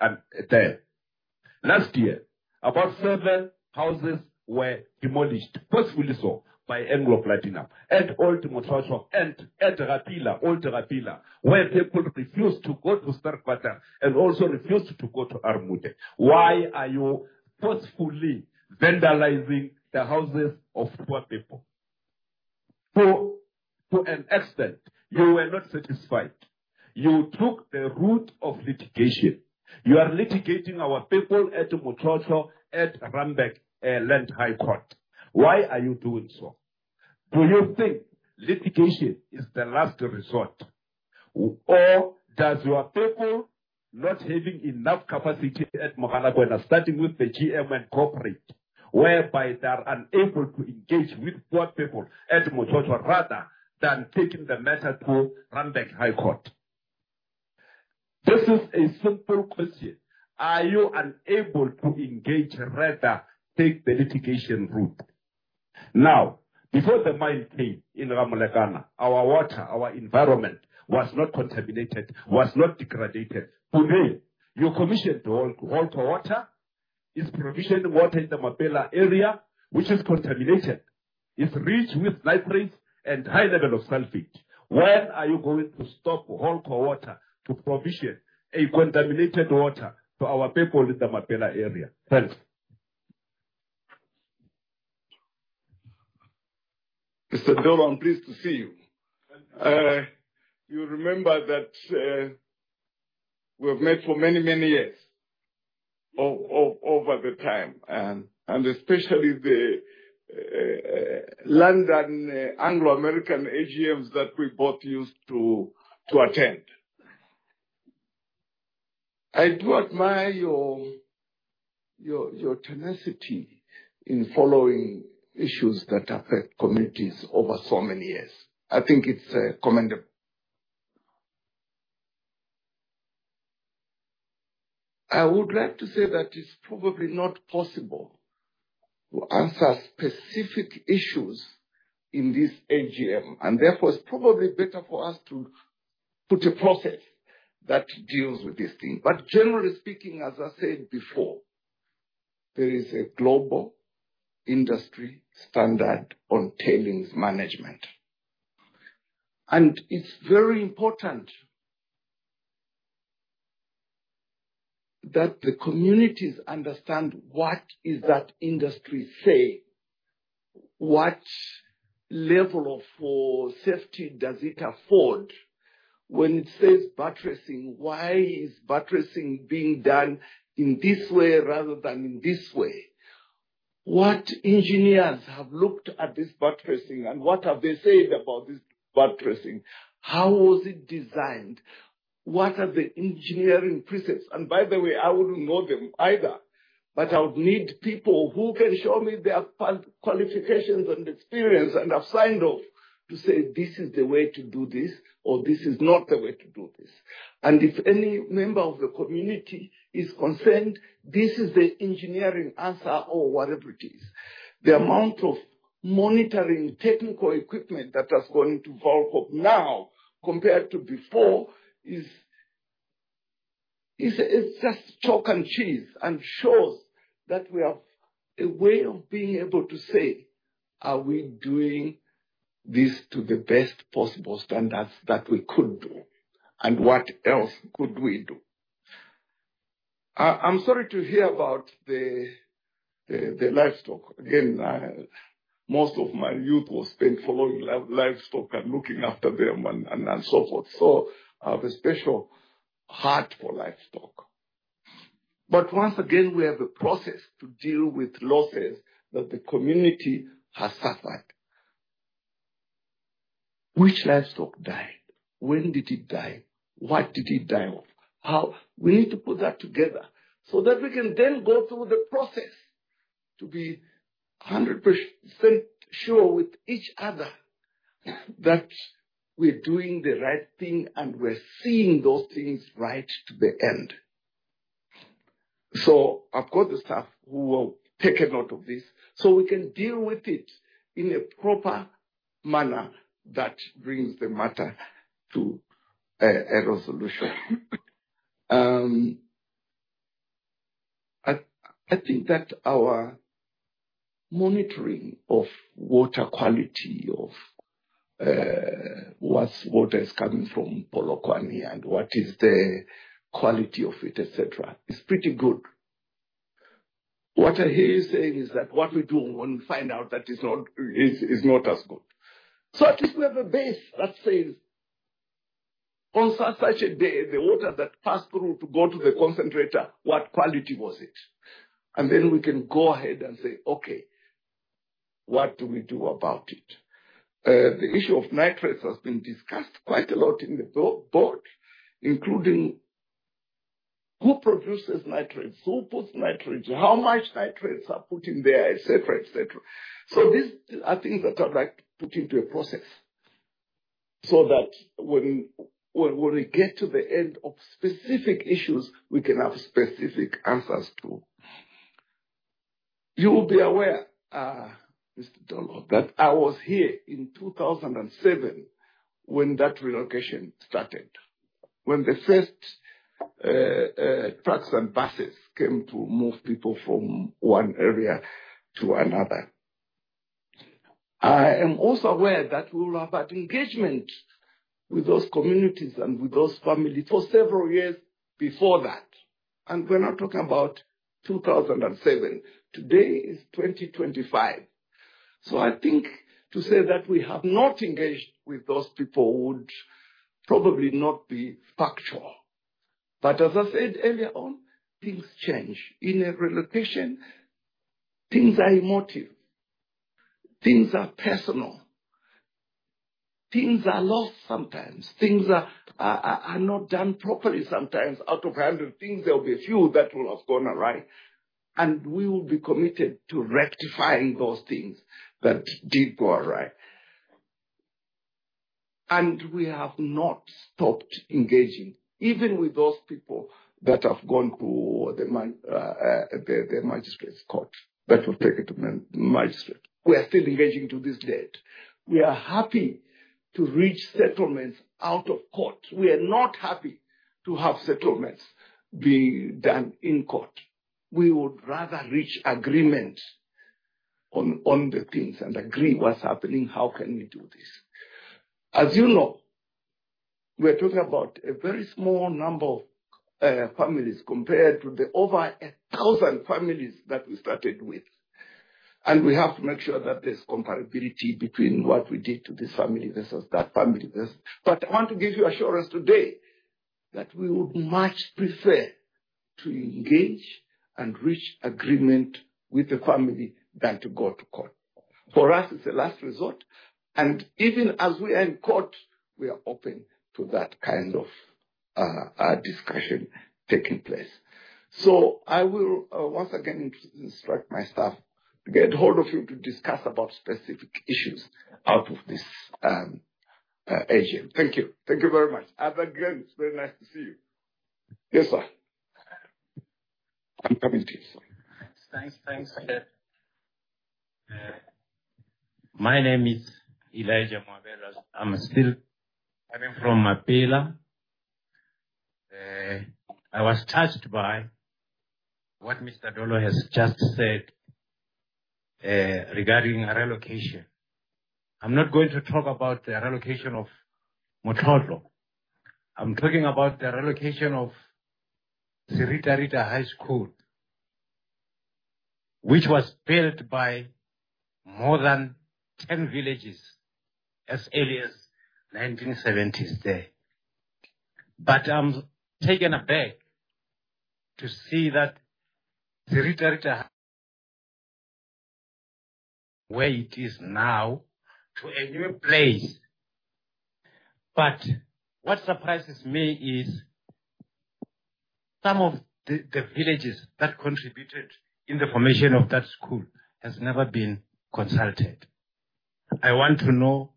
Last year, about seven houses were demolished, possibly so by Anglo American Platinum, and old Mototolo and old Rapila where people refused to go to Starkwater and also refused to go to Armude. Why are you forcefully vandalizing the houses of poor people? To an extent, you were not satisfied. You took the route of litigation. You are litigating our people at Mototolo at Rambeck Land High Court. Why are you doing so? Do you think litigation is the last resort, or does your people not having enough capacity at Mogalakwena, starting with the GM and corporate, whereby they are unable to engage with poor people at Mototolo rather than taking the matter to Rambeck High Court? This is a simple question. Are you unable to engage rather than take the litigation route? Now, before the mine came in Mulegana, our water, our environment was not contaminated, was not degraded. Today, your commission to Holco Water is provisioning water in the Mapela area, which is contaminated, is rich with nitrates and high level of sulfate. When are you going to stop Holco Water to provision a contaminated water to our people in the Mapela area? Thank you. Mr. Dhowla, I'm pleased to see you. You remember that we have met for many, many years over the time, and especially the London Anglo American AGMs that we both used to attend. I do admire your tenacity in following issues that affect communities over so many years. I think it's commendable. I would like to say that it's probably not possible to answer specific issues in this AGM, and therefore it's probably better for us to put a process that deals with this thing. Generally speaking, as I said before, there is a global industry standard on tailings management. It's very important that the communities understand what is that industry say, what level of safety does it afford when it says batterizing, why is batterizing being done in this way rather than in this way? What engineers have looked at this batterizing and what have they said about this batterizing? How was it designed? What are the engineering precepts? By the way, I wouldn't know them either, but I would need people who can show me their qualifications and experience and have signed off to say, "This is the way to do this," or "This is not the way to do this." If any member of the community is concerned, "This is the engineering answer," or whatever it is. The amount of monitoring technical equipment that has gone into Volco now compared to before is just chalk and cheese and shows that we have a way of being able to say, "Are we doing this to the best possible standards that we could do?" What else could we do? I'm sorry to hear about the livestock. Most of my youth was spent following livestock and looking after them and so forth. I have a special heart for livestock. Once again, we have a process to deal with losses that the community has suffered. Which livestock died? When did it die? What did it die of? We need to put that together so that we can then go through the process to be 100% sure with each other that we're doing the right thing and we're seeing those things right to the end. I've got the staff who will take a note of this so we can deal with it in a proper manner that brings the matter to a resolution. I think that our monitoring of water quality, of what water is coming from Polokwana and what is the quality of it, etc., is pretty good. What I hear you saying is that what we do when we find out that it's not as good. At least we have a base that says, "On such and such a day, the water that passed through to go to the concentrator, what quality was it?" Then we can go ahead and say, "Okay, what do we do about it?" The issue of nitrates has been discussed quite a lot in the board, including who produces nitrates, who puts nitrates, how much nitrates are put in there, etc., etc. These are things that I'd like to put into a process so that when we get to the end of specific issues, we can have specific answers too. You will be aware, Mr. Dhowla, that I was here in 2007 when that relocation started, when the first trucks and buses came to move people from one area to another. I am also aware that we will have that engagement with those communities and with those families for several years before that. We are not talking about 2007. Today is 2025. I think to say that we have not engaged with those people would probably not be factual. As I said earlier on, things change. In a relocation, things are emotive. Things are personal. Things are lost sometimes. Things are not done properly sometimes out of hand. There will be a few that will have gone awry. We will be committed to rectifying those things that did go awry. We have not stopped engaging, even with those people that have gone to the magistrate's court that will take it to magistrate. We are still engaging to this date. We are happy to reach settlements out of court. We are not happy to have settlements being done in court. We would rather reach agreement on the things and agree what's happening, how can we do this. As you know, we're talking about a very small number of families compared to the over 1,000 families that we started with. We have to make sure that there's comparability between what we did to this family versus that family versus. I want to give you assurance today that we would much prefer to engage and reach agreement with the family than to go to court. For us, it's a last resort. Even as we are in court, we are open to that kind of discussion taking place. I will once again instruct my staff to get hold of you to discuss about specific issues out of this AGM. Thank you. Thank you very much. Again, it's very nice to see you. Yes, sir. I'm coming to you, sir. Thanks. Thanks, Chair. My name is Elijah Marbella. I'm still coming from Mapela. I was touched by what Mr. Dhowla has just said regarding relocation. I'm not going to talk about the relocation of Mototolo. I'm talking about the relocation of Seritarita High School, which was built by more than 10 villages as early as the 1970s there. I'm taken aback to see that Seritarita where it is now to a new place. What surprises me is some of the villages that contributed in the formation of that school have never been consulted. I want to know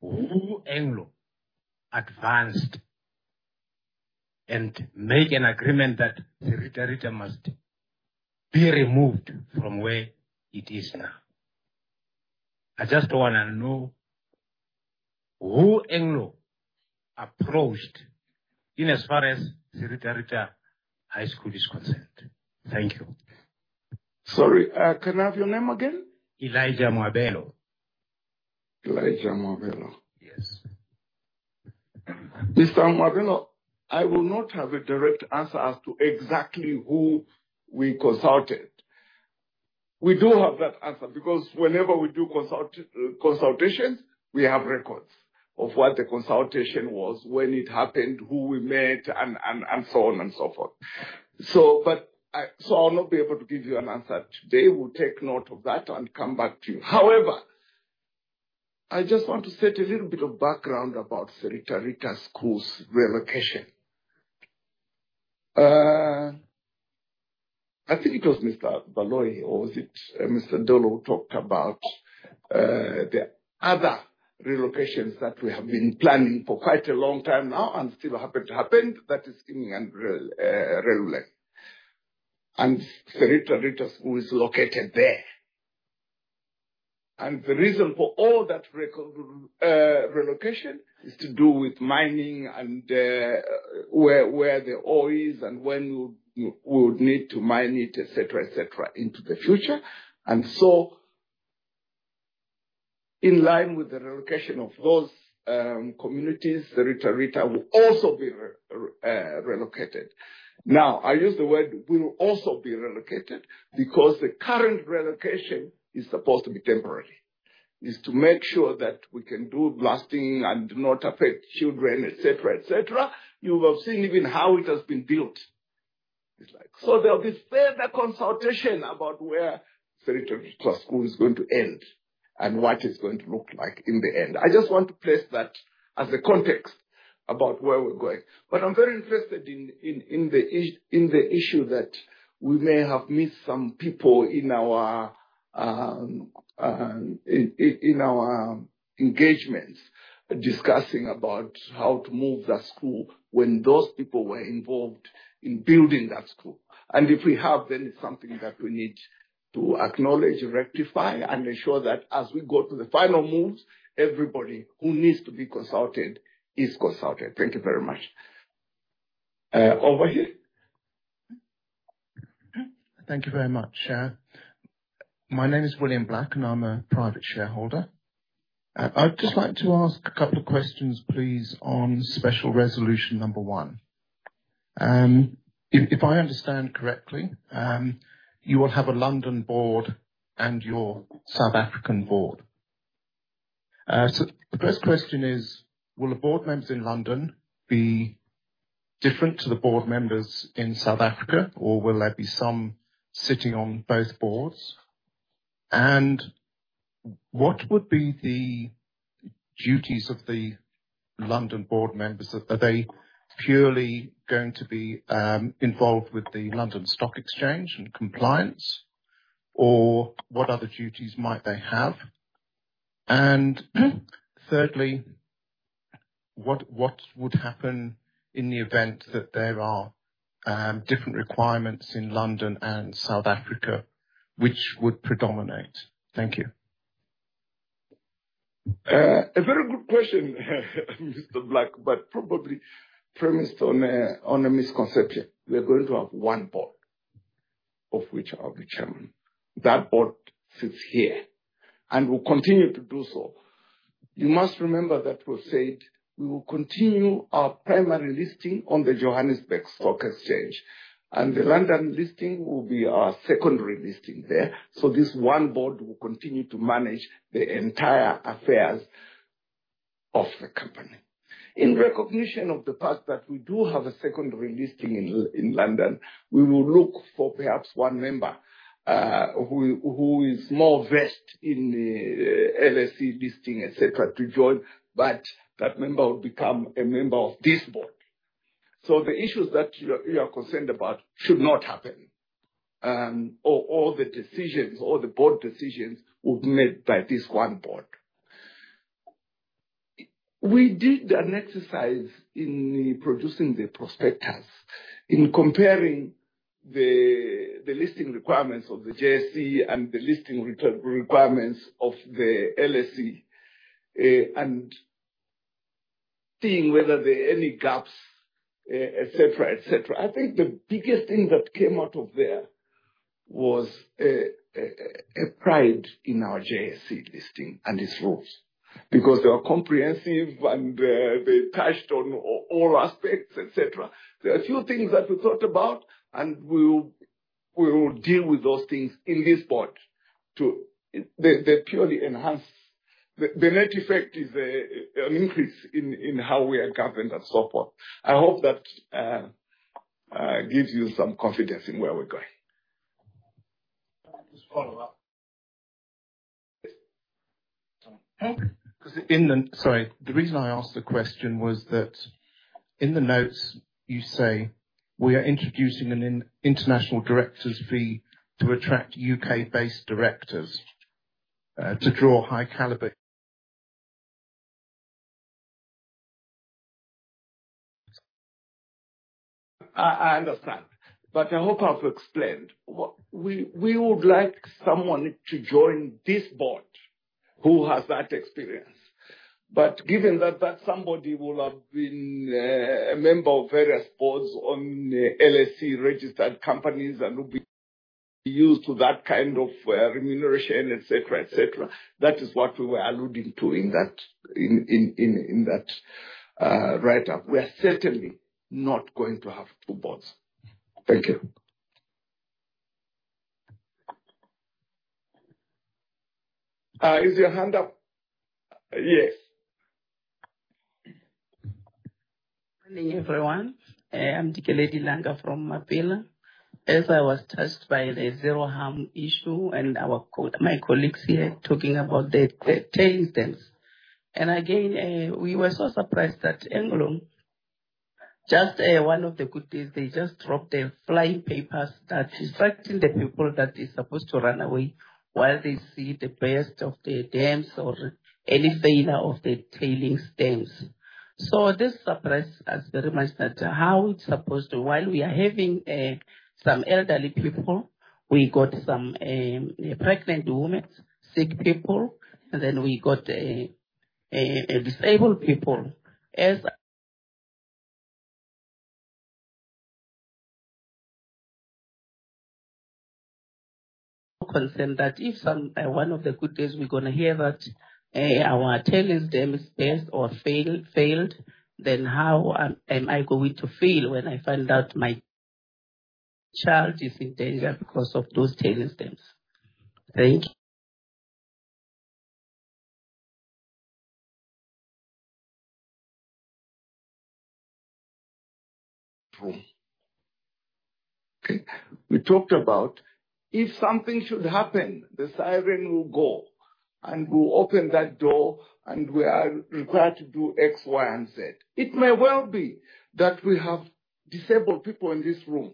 who Anglo advanced and made an agreement that Seritarita must be removed from where it is now. I just want to know who Anglo approached in as far as Seritarita High School is concerned. Thank you. Sorry, can I have your name again? Elijah Marbella. Elijah Marbella. Yes. Mr. Marbella, I will not have a direct answer as to exactly who we consulted. We do have that answer because whenever we do consultations, we have records of what the consultation was, when it happened, who we met, and so on and so forth. I will not be able to give you an answer today. We will take note of that and come back to you. However, I just want to set a little bit of background about Sirita Rita School's relocation. I think it was Mr. Dhowla, or was it Mr. Dhowla, who talked about the other relocations that we have been planning for quite a long time now and still happened to happen, that is in Rarule. Sirita Rita School is located there. The reason for all that relocation is to do with mining and where the ore is and when we would need to mine it, etc., etc., into the future. In line with the relocation of those communities, Sirita Rita will also be relocated. I use the word will also be relocated because the current relocation is supposed to be temporary. It is to make sure that we can do blasting and not affect children, etc., etc. You will have seen even how it has been built. There will be further consultation about where Sirita Rita School is going to end and what it is going to look like in the end. I just want to place that as a context about where we are going. I'm very interested in the issue that we may have missed some people in our engagements discussing about how to move that school when those people were involved in building that school. If we have, then it's something that we need to acknowledge, rectify, and ensure that as we go to the final moves, everybody who needs to be consulted is consulted. Thank you very much. Over here. Thank you very much, Chair. My name is William Black, and I'm a private shareholder. I'd just like to ask a couple of questions, please, on Special Resolution Number One. If I understand correctly, you will have a London board and your South African board. The first question is, will the board members in London be different to the board members in South Africa, or will there be some sitting on both boards? What would be the duties of the London board members? Are they purely going to be involved with the London Stock Exchange and compliance, or what other duties might they have? Thirdly, what would happen in the event that there are different requirements in London and South Africa which would predominate? Thank you. A very good question, Mr. Black, but probably premised on a misconception. We are going to have one board of which I'll be chairman. That board sits here and will continue to do so. You must remember that we've said we will continue our primary listing on the Johannesburg Stock Exchange. The London listing will be our secondary listing there. This one board will continue to manage the entire affairs of the company. In recognition of the fact that we do have a secondary listing in London, we will look for perhaps one member who is more versed in the LSE listing, etc., to join, but that member will become a member of this board. The issues that you are concerned about should not happen, or the decisions or the board decisions would be made by this one board. We did an exercise in producing the prospectus in comparing the listing requirements of the JSE and the listing requirements of the LSE and seeing whether there are any gaps, etc., etc. I think the biggest thing that came out of there was a pride in our JSE listing and its rules because they are comprehensive and they touched on all aspects, etc. There are a few things that we thought about, and we will deal with those things in this board to purely enhance. The net effect is an increase in how we are governed and so forth. I hope that gives you some confidence in where we're going. Just follow up. Sorry. The reason I asked the question was that in the notes, you say we are introducing an international director's fee to attract U.K.-based directors to draw high caliber. I understand. I hope I've explained. We would like someone to join this board who has that experience. Given that that somebody will have been a member of various boards on LSE-registered companies and will be used to that kind of remuneration, etc., etc., that is what we were alluding to in that write-up. We are certainly not going to have two boards. Thank you. Is your hand up? Yes. Good evening, everyone. I'm Dikeledi Langa from Mapela. As I was touched by the zero harm issue and my colleagues here talking about the tailings. Again, we were so surprised that Anglo, just one of the good days, they just dropped their flying papers that distracting the people that they're supposed to run away while they see the burst of the dams or any failure of the tailings dams. This surprised us very much that how it's supposed to, while we are having some elderly people, we got some pregnant women, sick people, and then we got disabled people. As I'm concerned that if one of the good days we're going to hear that our tailings dams failed, then how am I going to feel when I find out my child is in danger because of those tailings dams? Thank you. Okay. We talked about if something should happen, the siren will go and we'll open that door and we are required to do X, Y, and Z. It may well be that we have disabled people in this room,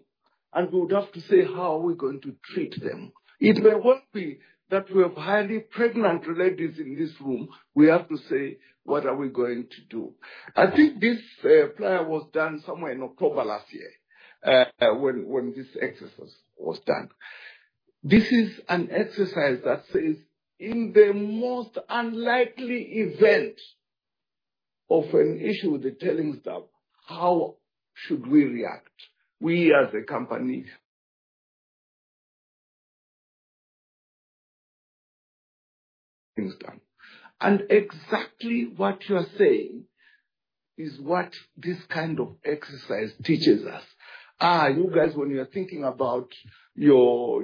and we would have to say how are we going to treat them. It may well be that we have highly pregnant ladies in this room. We have to say, what are we going to do? I think this flyer was done somewhere in October last year when this exercise was done. This is an exercise that says, in the most unlikely event of an issue with the tailings dam, how should we react? We as a company. Exactly what you are saying is what this kind of exercise teaches us. You guys, when you're thinking about your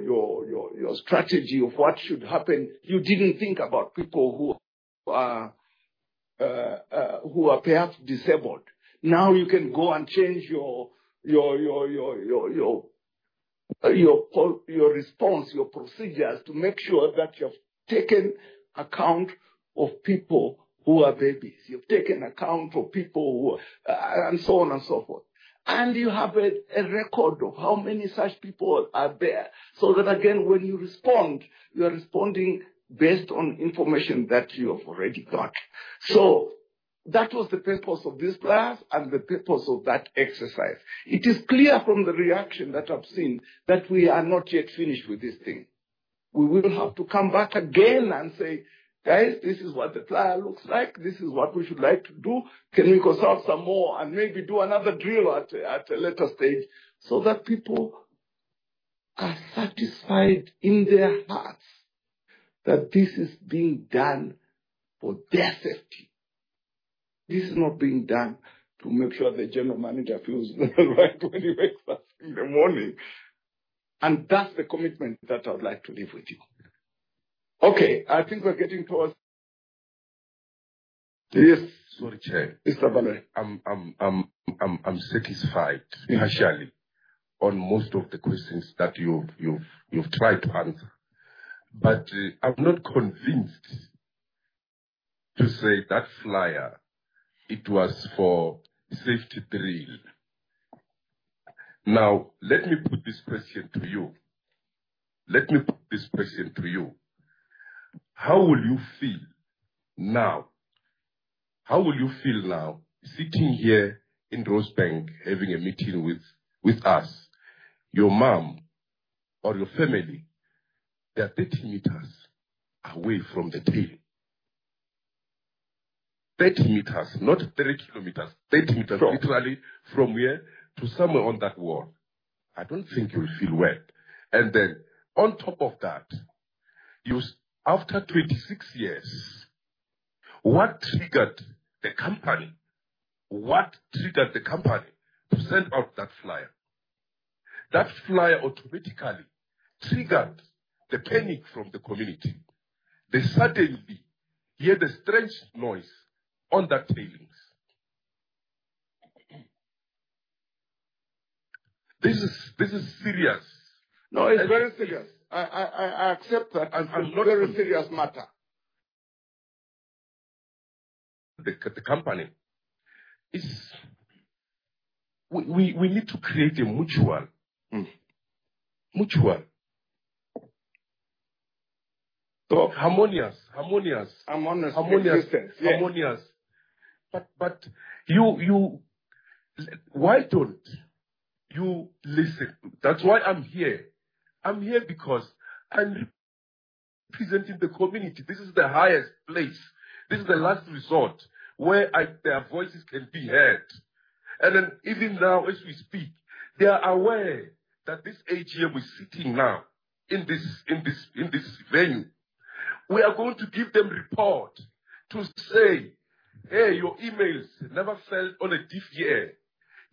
strategy of what should happen, you didn't think about people who are perhaps disabled. Now you can go and change your response, your procedures to make sure that you've taken account of people who are babies. You've taken account of people who are and so on and so forth. You have a record of how many such people are there. That again, when you respond, you are responding based on information that you have already got. That was the purpose of this flyer and the purpose of that exercise. It is clear from the reaction that I've seen that we are not yet finished with this thing. We will have to come back again and say, guys, this is what the flyer looks like. This is what we should like to do. Can we consult some more and maybe do another drill at a later stage so that people are satisfied in their hearts that this is being done for their safety? This is not being done to make sure the general manager feels right when he wakes up in the morning. That is the commitment that I would like to leave with you. Okay. I think we are getting towards the end. Yes. Sorry, Chair. Mr. Banner, I am satisfied partially on most of the questions that you have tried to answer. I am not convinced to say that flyer, it was for safety drill. Now, let me put this question to you. Let me put this question to you. How will you feel now? How will you feel now sitting here in Rosebank having a meeting with us, your mom, or your family that 30 meters away from the tail? 30 meters, not 30 kilometers, 30 meters literally from here to somewhere on that wall. I don't think you'll feel well. After 26 years, what triggered the company? What triggered the company to send out that flyer? That flyer automatically triggered the panic from the community. They suddenly hear the strange noise on the tailings. This is serious. No, it's very serious. I accept that. It is a very serious matter. The company, we need to create a mutual harmonious. Harmonious. Harmonious. Why don't you listen? That's why I'm here. I'm here because I'm representing the community. This is the highest place. This is the last resort where their voices can be heard. Even now, as we speak, they are aware that this AGM is sitting now in this venue. We are going to give them report to say, "Hey, your emails never fell on a deaf ear.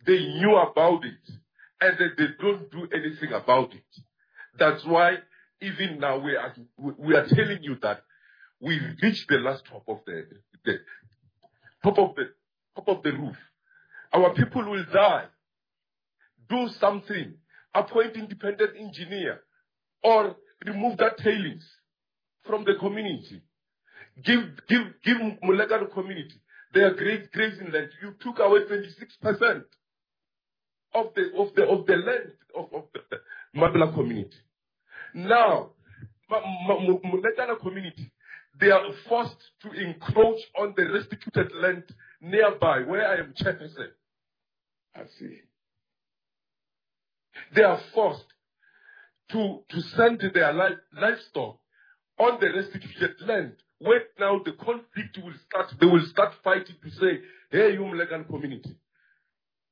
They knew about it, and they don't do anything about it." That's why even now we are telling you that we reached the last top of the roof. Our people will die. Do something. Appoint independent engineer or remove the tailings from the community. Give Mulegana community their grace in that you took away 26% of the land of the Mabla community. Now, Mulegana community, they are forced to encroach on the restituted land nearby where I am chapter said. I see. They are forced to send their livestock on the restituted land when now the conflict will start. They will start fighting to say, "Hey, you Mulegana community,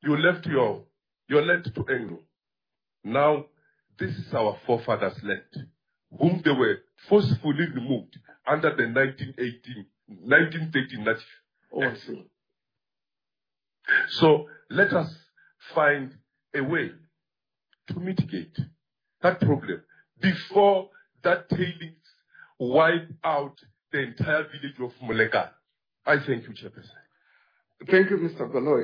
you left your land to Anglo. Now, this is our forefathers' land, whom they were forcefully removed under the 1918. I see. Let us find a way to mitigate that problem before that tailings wipe out the entire village of Mulegana. I thank you, Chairperson. Thank you, Mr. Balloy.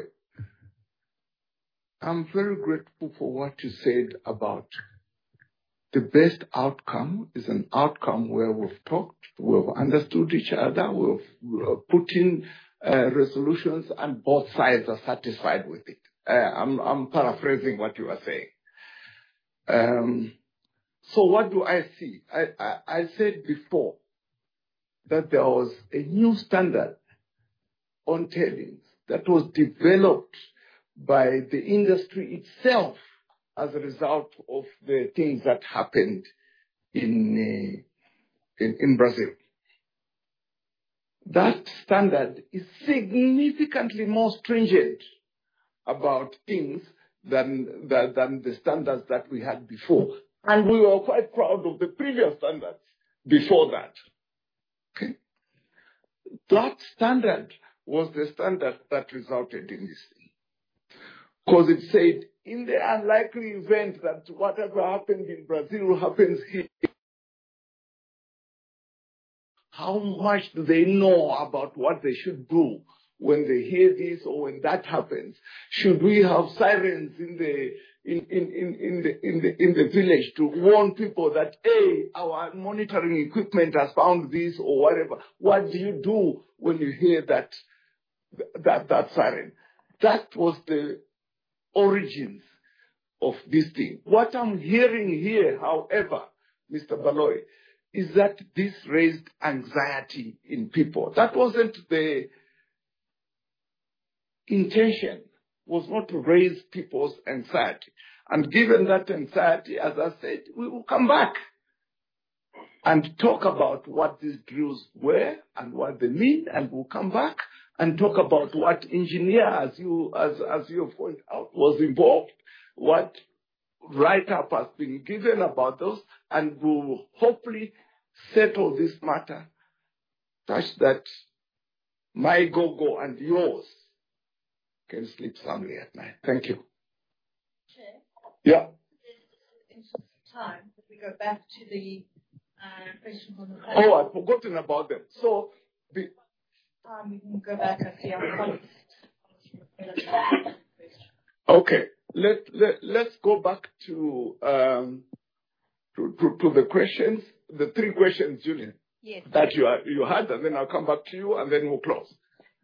I'm very grateful for what you said about the best outcome is an outcome where we've talked, we've understood each other, we've put in resolutions, and both sides are satisfied with it. I'm paraphrasing what you are saying. What do I see? I said before that there was a new standard on tailings that was developed by the industry itself as a result of the things that happened in Brazil. That standard is significantly more stringent about things than the standards that we had before. We were quite proud of the previous standards before that. Okay? That standard was the standard that resulted in this thing because it said, in the unlikely event that whatever happened in Brazil happens here, how much do they know about what they should do when they hear this or when that happens? Should we have sirens in the village to warn people that, "Hey, our monitoring equipment has found this or whatever"? What do you do when you hear that siren? That was the origins of this thing. What I'm hearing here, however, Mr. Balloy, is that this raised anxiety in people. That was not the intention. It was not to raise people's anxiety. Given that anxiety, as I said, we will come back and talk about what these drills were and what they mean, and we will come back and talk about what engineers, as you point out, were involved, what write-up has been given about those, and we will hopefully settle this matter such that my go-go and yours can sleep soundly at night. Thank you. Chair? Yeah. This is interesting time. We go back to the questions on the plan. Oh, I have forgotten about them. We can go back and see our questions. Okay. Let us go back to the questions, the three questions, Julian, that you had, and then I will come back to you, and then we will close.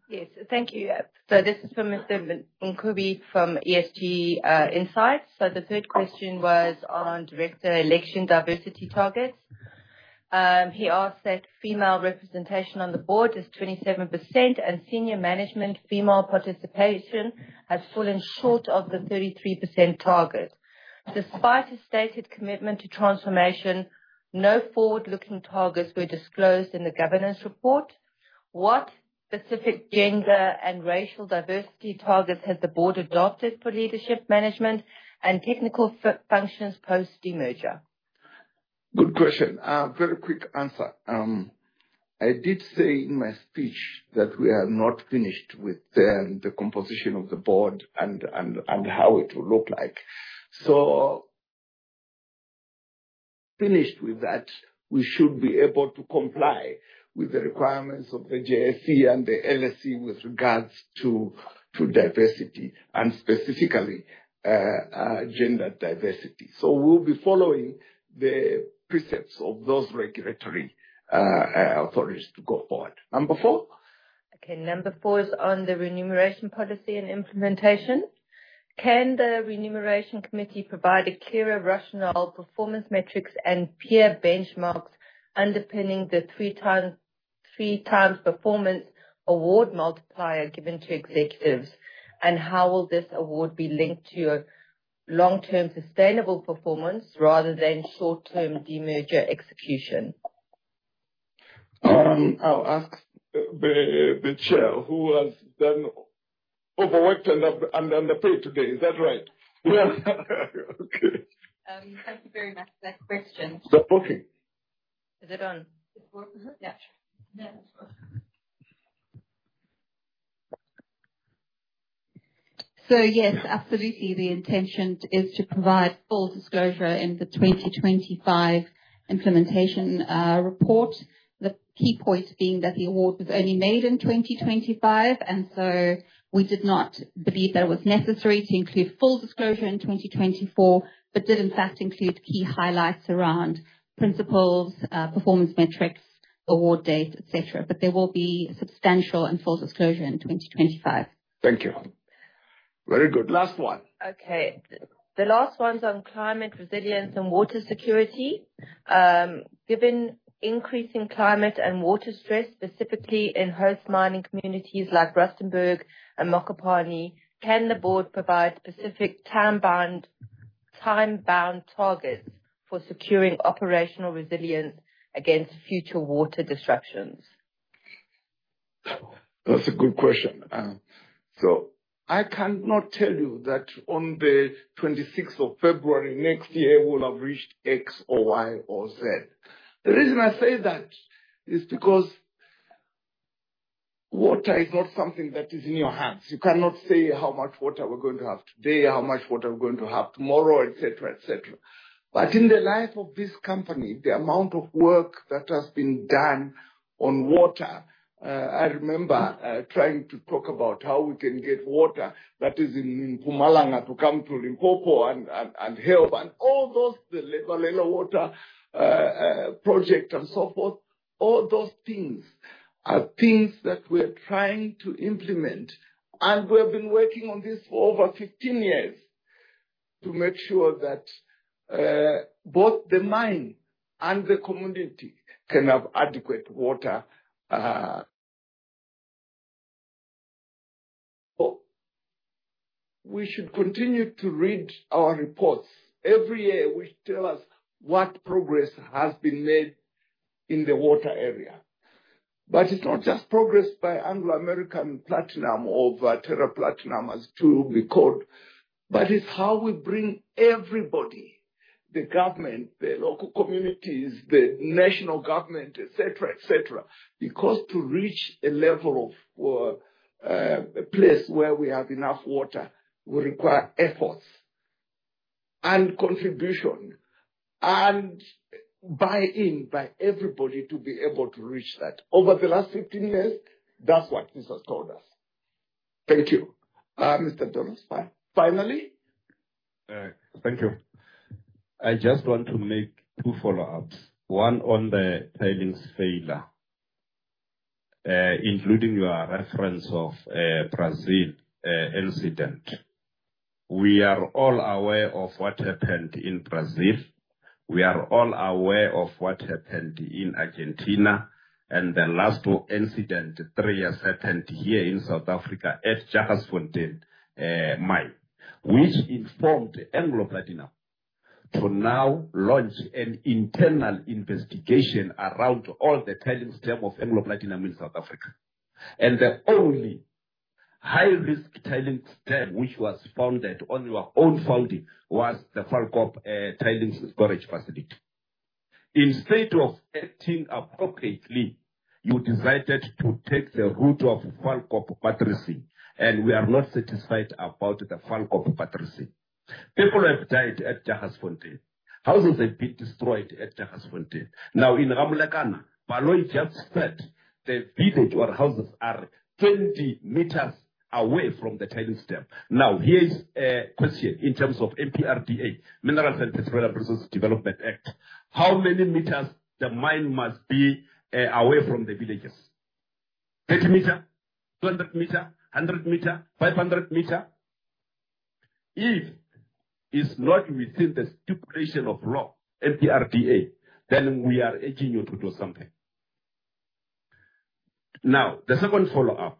Yes. Thank you. This is from Mr. Nkubi from ESG Insights. The third question was on director election diversity targets. He asked that female representation on the board is 27%, and senior management female participation has fallen short of the 33% target. Despite his stated commitment to transformation, no forward-looking targets were disclosed in the governance report. What specific gender and racial diversity targets has the board adopted for leadership management and technical functions post-merger? Good question. Very quick answer. I did say in my speech that we are not finished with the composition of the board and how it will look like. Once finished with that, we should be able to comply with the requirements of the JSE and the LSE with regards to diversity and specifically gender diversity. We will be following the precepts of those regulatory authorities to go forward. Number four? Okay. Number four is on the remuneration policy and implementation. Can the remuneration committee provide a clearer rationale, performance metrics, and peer benchmarks underpinning the three-times performance award multiplier given to executives? And how will this award be linked to long-term sustainable performance rather than short-term demerger execution? I'll ask the chair who has done overworked and then the pay today. Is that right? Yes. Okay. Thank you very much for that question. Okay. Is it on? Yeah. Yes, absolutely. The intention is to provide full disclosure in the 2025 implementation report, the key point being that the award was only made in 2025. We did not believe that it was necessary to include full disclosure in 2024, but did in fact include key highlights around principles, performance metrics, award dates, etc. There will be substantial and full disclosure in 2025. Thank you. Very good. Last one. Okay. The last one's on climate resilience and water security. Given increasing climate and water stress, specifically in host mining communities like Rustenburg and Mokopane, can the board provide specific time-bound targets for securing operational resilience against future water disruptions? That's a good question. I cannot tell you that on the 26th of February next year, we'll have reached X or Y or Z. The reason I say that is because water is not something that is in your hands. You cannot say how much water we're going to have today, how much water we're going to have tomorrow, etc., etc. In the life of this company, the amount of work that has been done on water, I remember trying to talk about how we can get water that is in Mpumalanga to come to Limpopo and help, and all those, the Lela Lela Water Project and so forth, all those things are things that we are trying to implement. We have been working on this for over 15 years to make sure that both the mine and the community can have adequate water. We should continue to read our reports. Every year, we tell us what progress has been made in the water area. It is not just progress by Anglo American Platinum or Valterra Platinum, as it will be called, but it is how we bring everybody, the government, the local communities, the national government, etc., etc., because to reach a level of a place where we have enough water will require efforts and contribution and buy-in by everybody to be able to reach that. Over the last 15 years, that is what this has taught us. Thank you. Mr. Donos, finally. Thank you. I just want to make two follow-ups. One on the tailings failure, including your reference of the Brazil incident. We are all aware of what happened in Brazil. We are all aware of what happened in Argentina. The last incident, three years ago, happened here in South Africa at Jackass Fontein mine, which informed Anglo American Platinum to now launch an internal investigation around all the tailings dam of Anglo American Platinum in South Africa. The only high-risk tailings dam which was found on your own findings was the Falcorp tailings storage facility. Instead of acting appropriately, you decided to take the route of Falcorp Patricy, and we are not satisfied about the Falcorp Patricy. People have died at Jackass Fontein. Houses have been destroyed at Jackass Fontein. Now, in Ramlagana, Baloy just said the village or houses are 20 meters away from the tailings dam. Now, here is a question in terms of MPRDA, Minerals and Petroleum Resources Development Act. How many meters the mine must be away from the villages? 30 meters? 200 meters? 100 meters? 500 meters? If it is not within the stipulation of law, MPRDA, then we are urging you to do something. The second follow-up.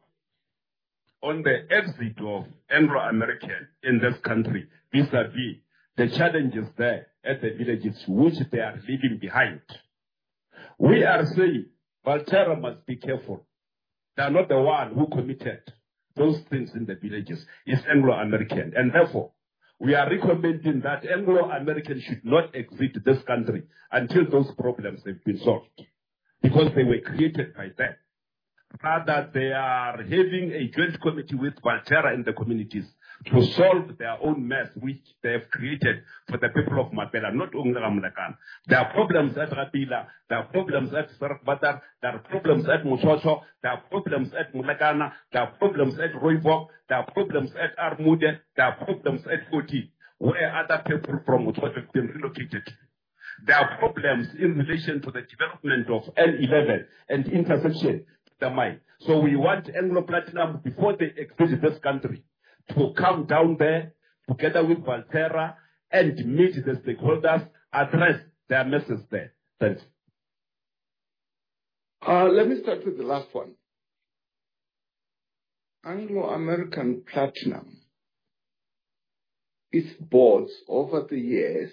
On the exit of Anglo American in this country, vis-à-vis, the challenges there at the villages which they are leaving behind. We are saying Valterra must be careful. They are not the one who committed those things in the villages. It is Anglo American. Therefore, we are recommending that Anglo American should not exit this country until those problems have been solved because they were created by them. Rather, they are having a joint committee with Valterra and the communities to solve their own mess which they have created for the people of Mapela, not only Mulegana. There are problems at Rabila. There are problems at Sarkbada. There are problems at Mutsocho. There are problems at Mulegana. There are problems at Roivo. There are problems at Armude. There are problems at Oti, where other people from Mutsocho have been relocated. There are problems in relation to the development of N11 and intersection to the mine. want Anglo American Platinum, before they exit this country, to come down there together with Valterra and meet the stakeholders, address their message there. Thank you. Let me start with the last one. Anglo American Platinum's boards over the years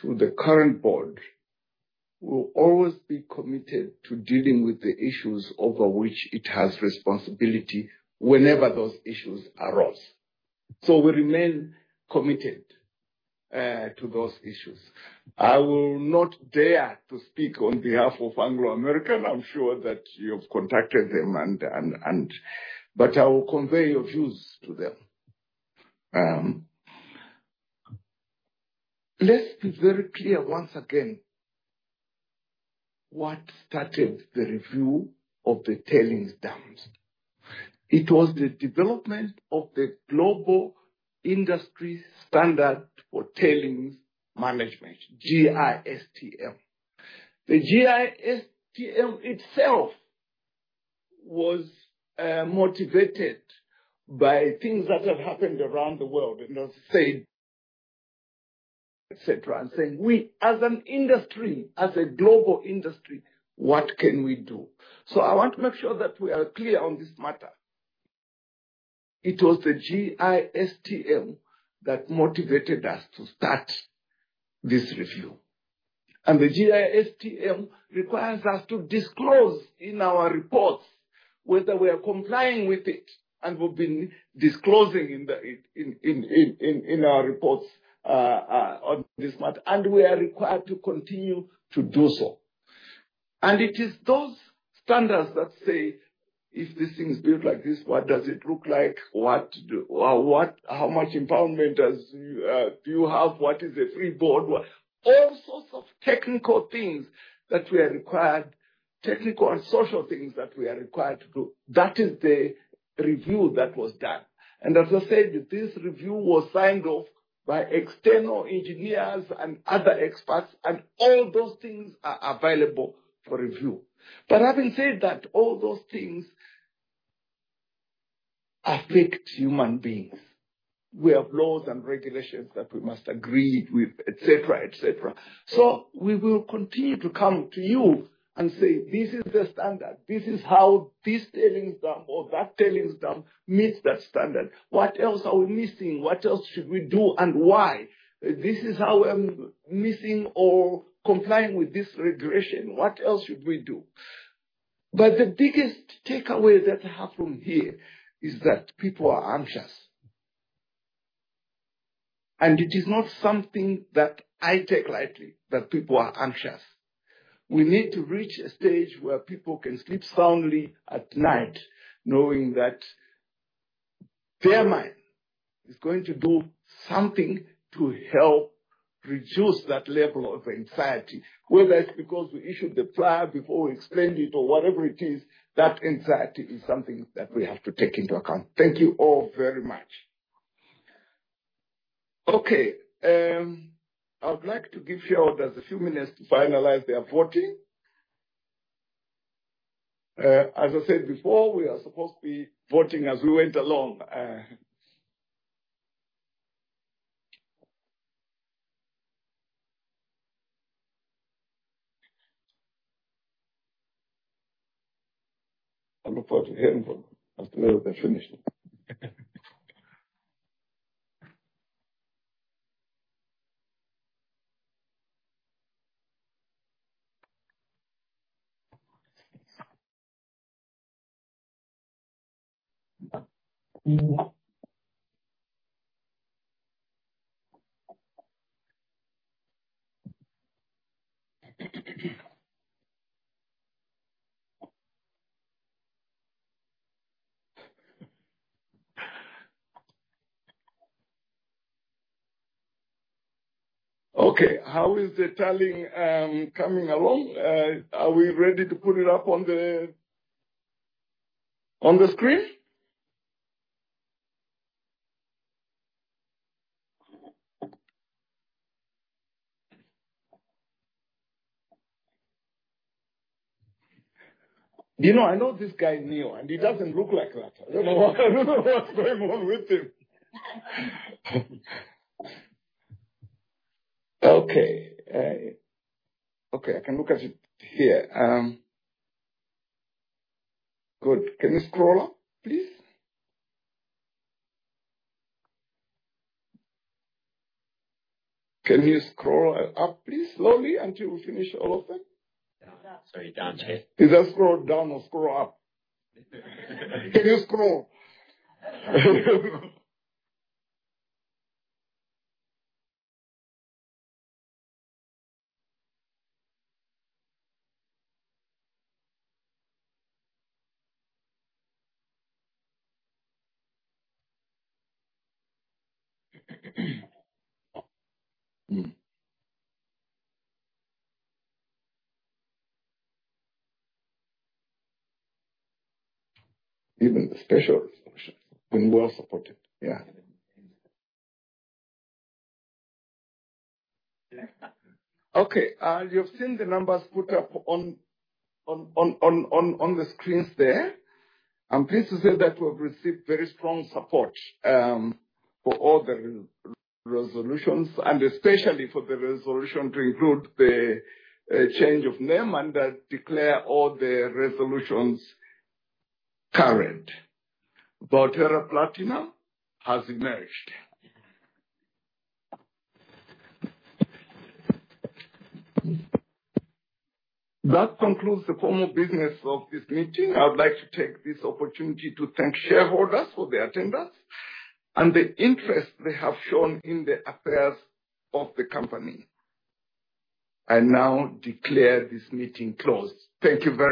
to the current board will always be committed to dealing with the issues over which it has responsibility whenever those issues arise. We remain committed to those issues. I will not dare to speak on behalf of Anglo American. I'm sure that you've contacted them, but I will convey your views to them. Let's be very clear once again what started the review of the tailings dams. It was the development of the Global Industry Standard for Tailings Management, GISTM. The GISTM itself was motivated by things that have happened around the world, and as I said, etc., and saying, "We, as an industry, as a global industry, what can we do?" I want to make sure that we are clear on this matter. It was the GISTM that motivated us to start this review. The GISTM requires us to disclose in our reports whether we are complying with it, and we've been disclosing in our reports on this matter, and we are required to continue to do so. It is those standards that say, "If this thing's built like this, what does it look like? How much impoundment do you have? What is the free board?" All sorts of technical things that we are required, technical and social things that we are required to do. That is the review that was done. As I said, this review was signed off by external engineers and other experts, and all those things are available for review. Having said that, all those things affect human beings. We have laws and regulations that we must agree with, etc., etc. We will continue to come to you and say, "This is the standard. This is how this tailings dam or that tailings dam meets that standard. What else are we missing? What else should we do, and why? This is how we're missing or complying with this regulation. What else should we do?" The biggest takeaway that I have from here is that people are anxious. It is not something that I take lightly, that people are anxious. We need to reach a stage where people can sleep soundly at night knowing that their mine is going to do something to help reduce that level of anxiety, whether it is because we issued the plan before we explained it or whatever it is, that anxiety is something that we have to take into account. Thank you all very much. Okay. I would like to give you all just a few minutes to finalize the voting. As I said before, we are supposed to be voting as we went along. I look forward to hearing from after we are finished. Okay. How is the tally coming along? Are we ready to put it up on the screen? I know this guy is new, and he does not look like that. I do not know what is going on with him. Okay. Okay. I can look at it here. Good. Can you scroll up, please? Can you scroll up, please, slowly until we finish all of them? Sorry. Down, Chet. Either scroll down or scroll up. Can you scroll? Even the special function has been well supported. Yeah. Okay. You've seen the numbers put up on the screens there. I'm pleased to say that we've received very strong support for all the resolutions, and especially for the resolution to include the change of name and declare all the resolutions current. Valterra Platinum has emerged. That concludes the formal business of this meeting. I would like to take this opportunity to thank shareholders for their attendance and the interest they have shown in the affairs of the company. I now declare this meeting closed. Thank you very much.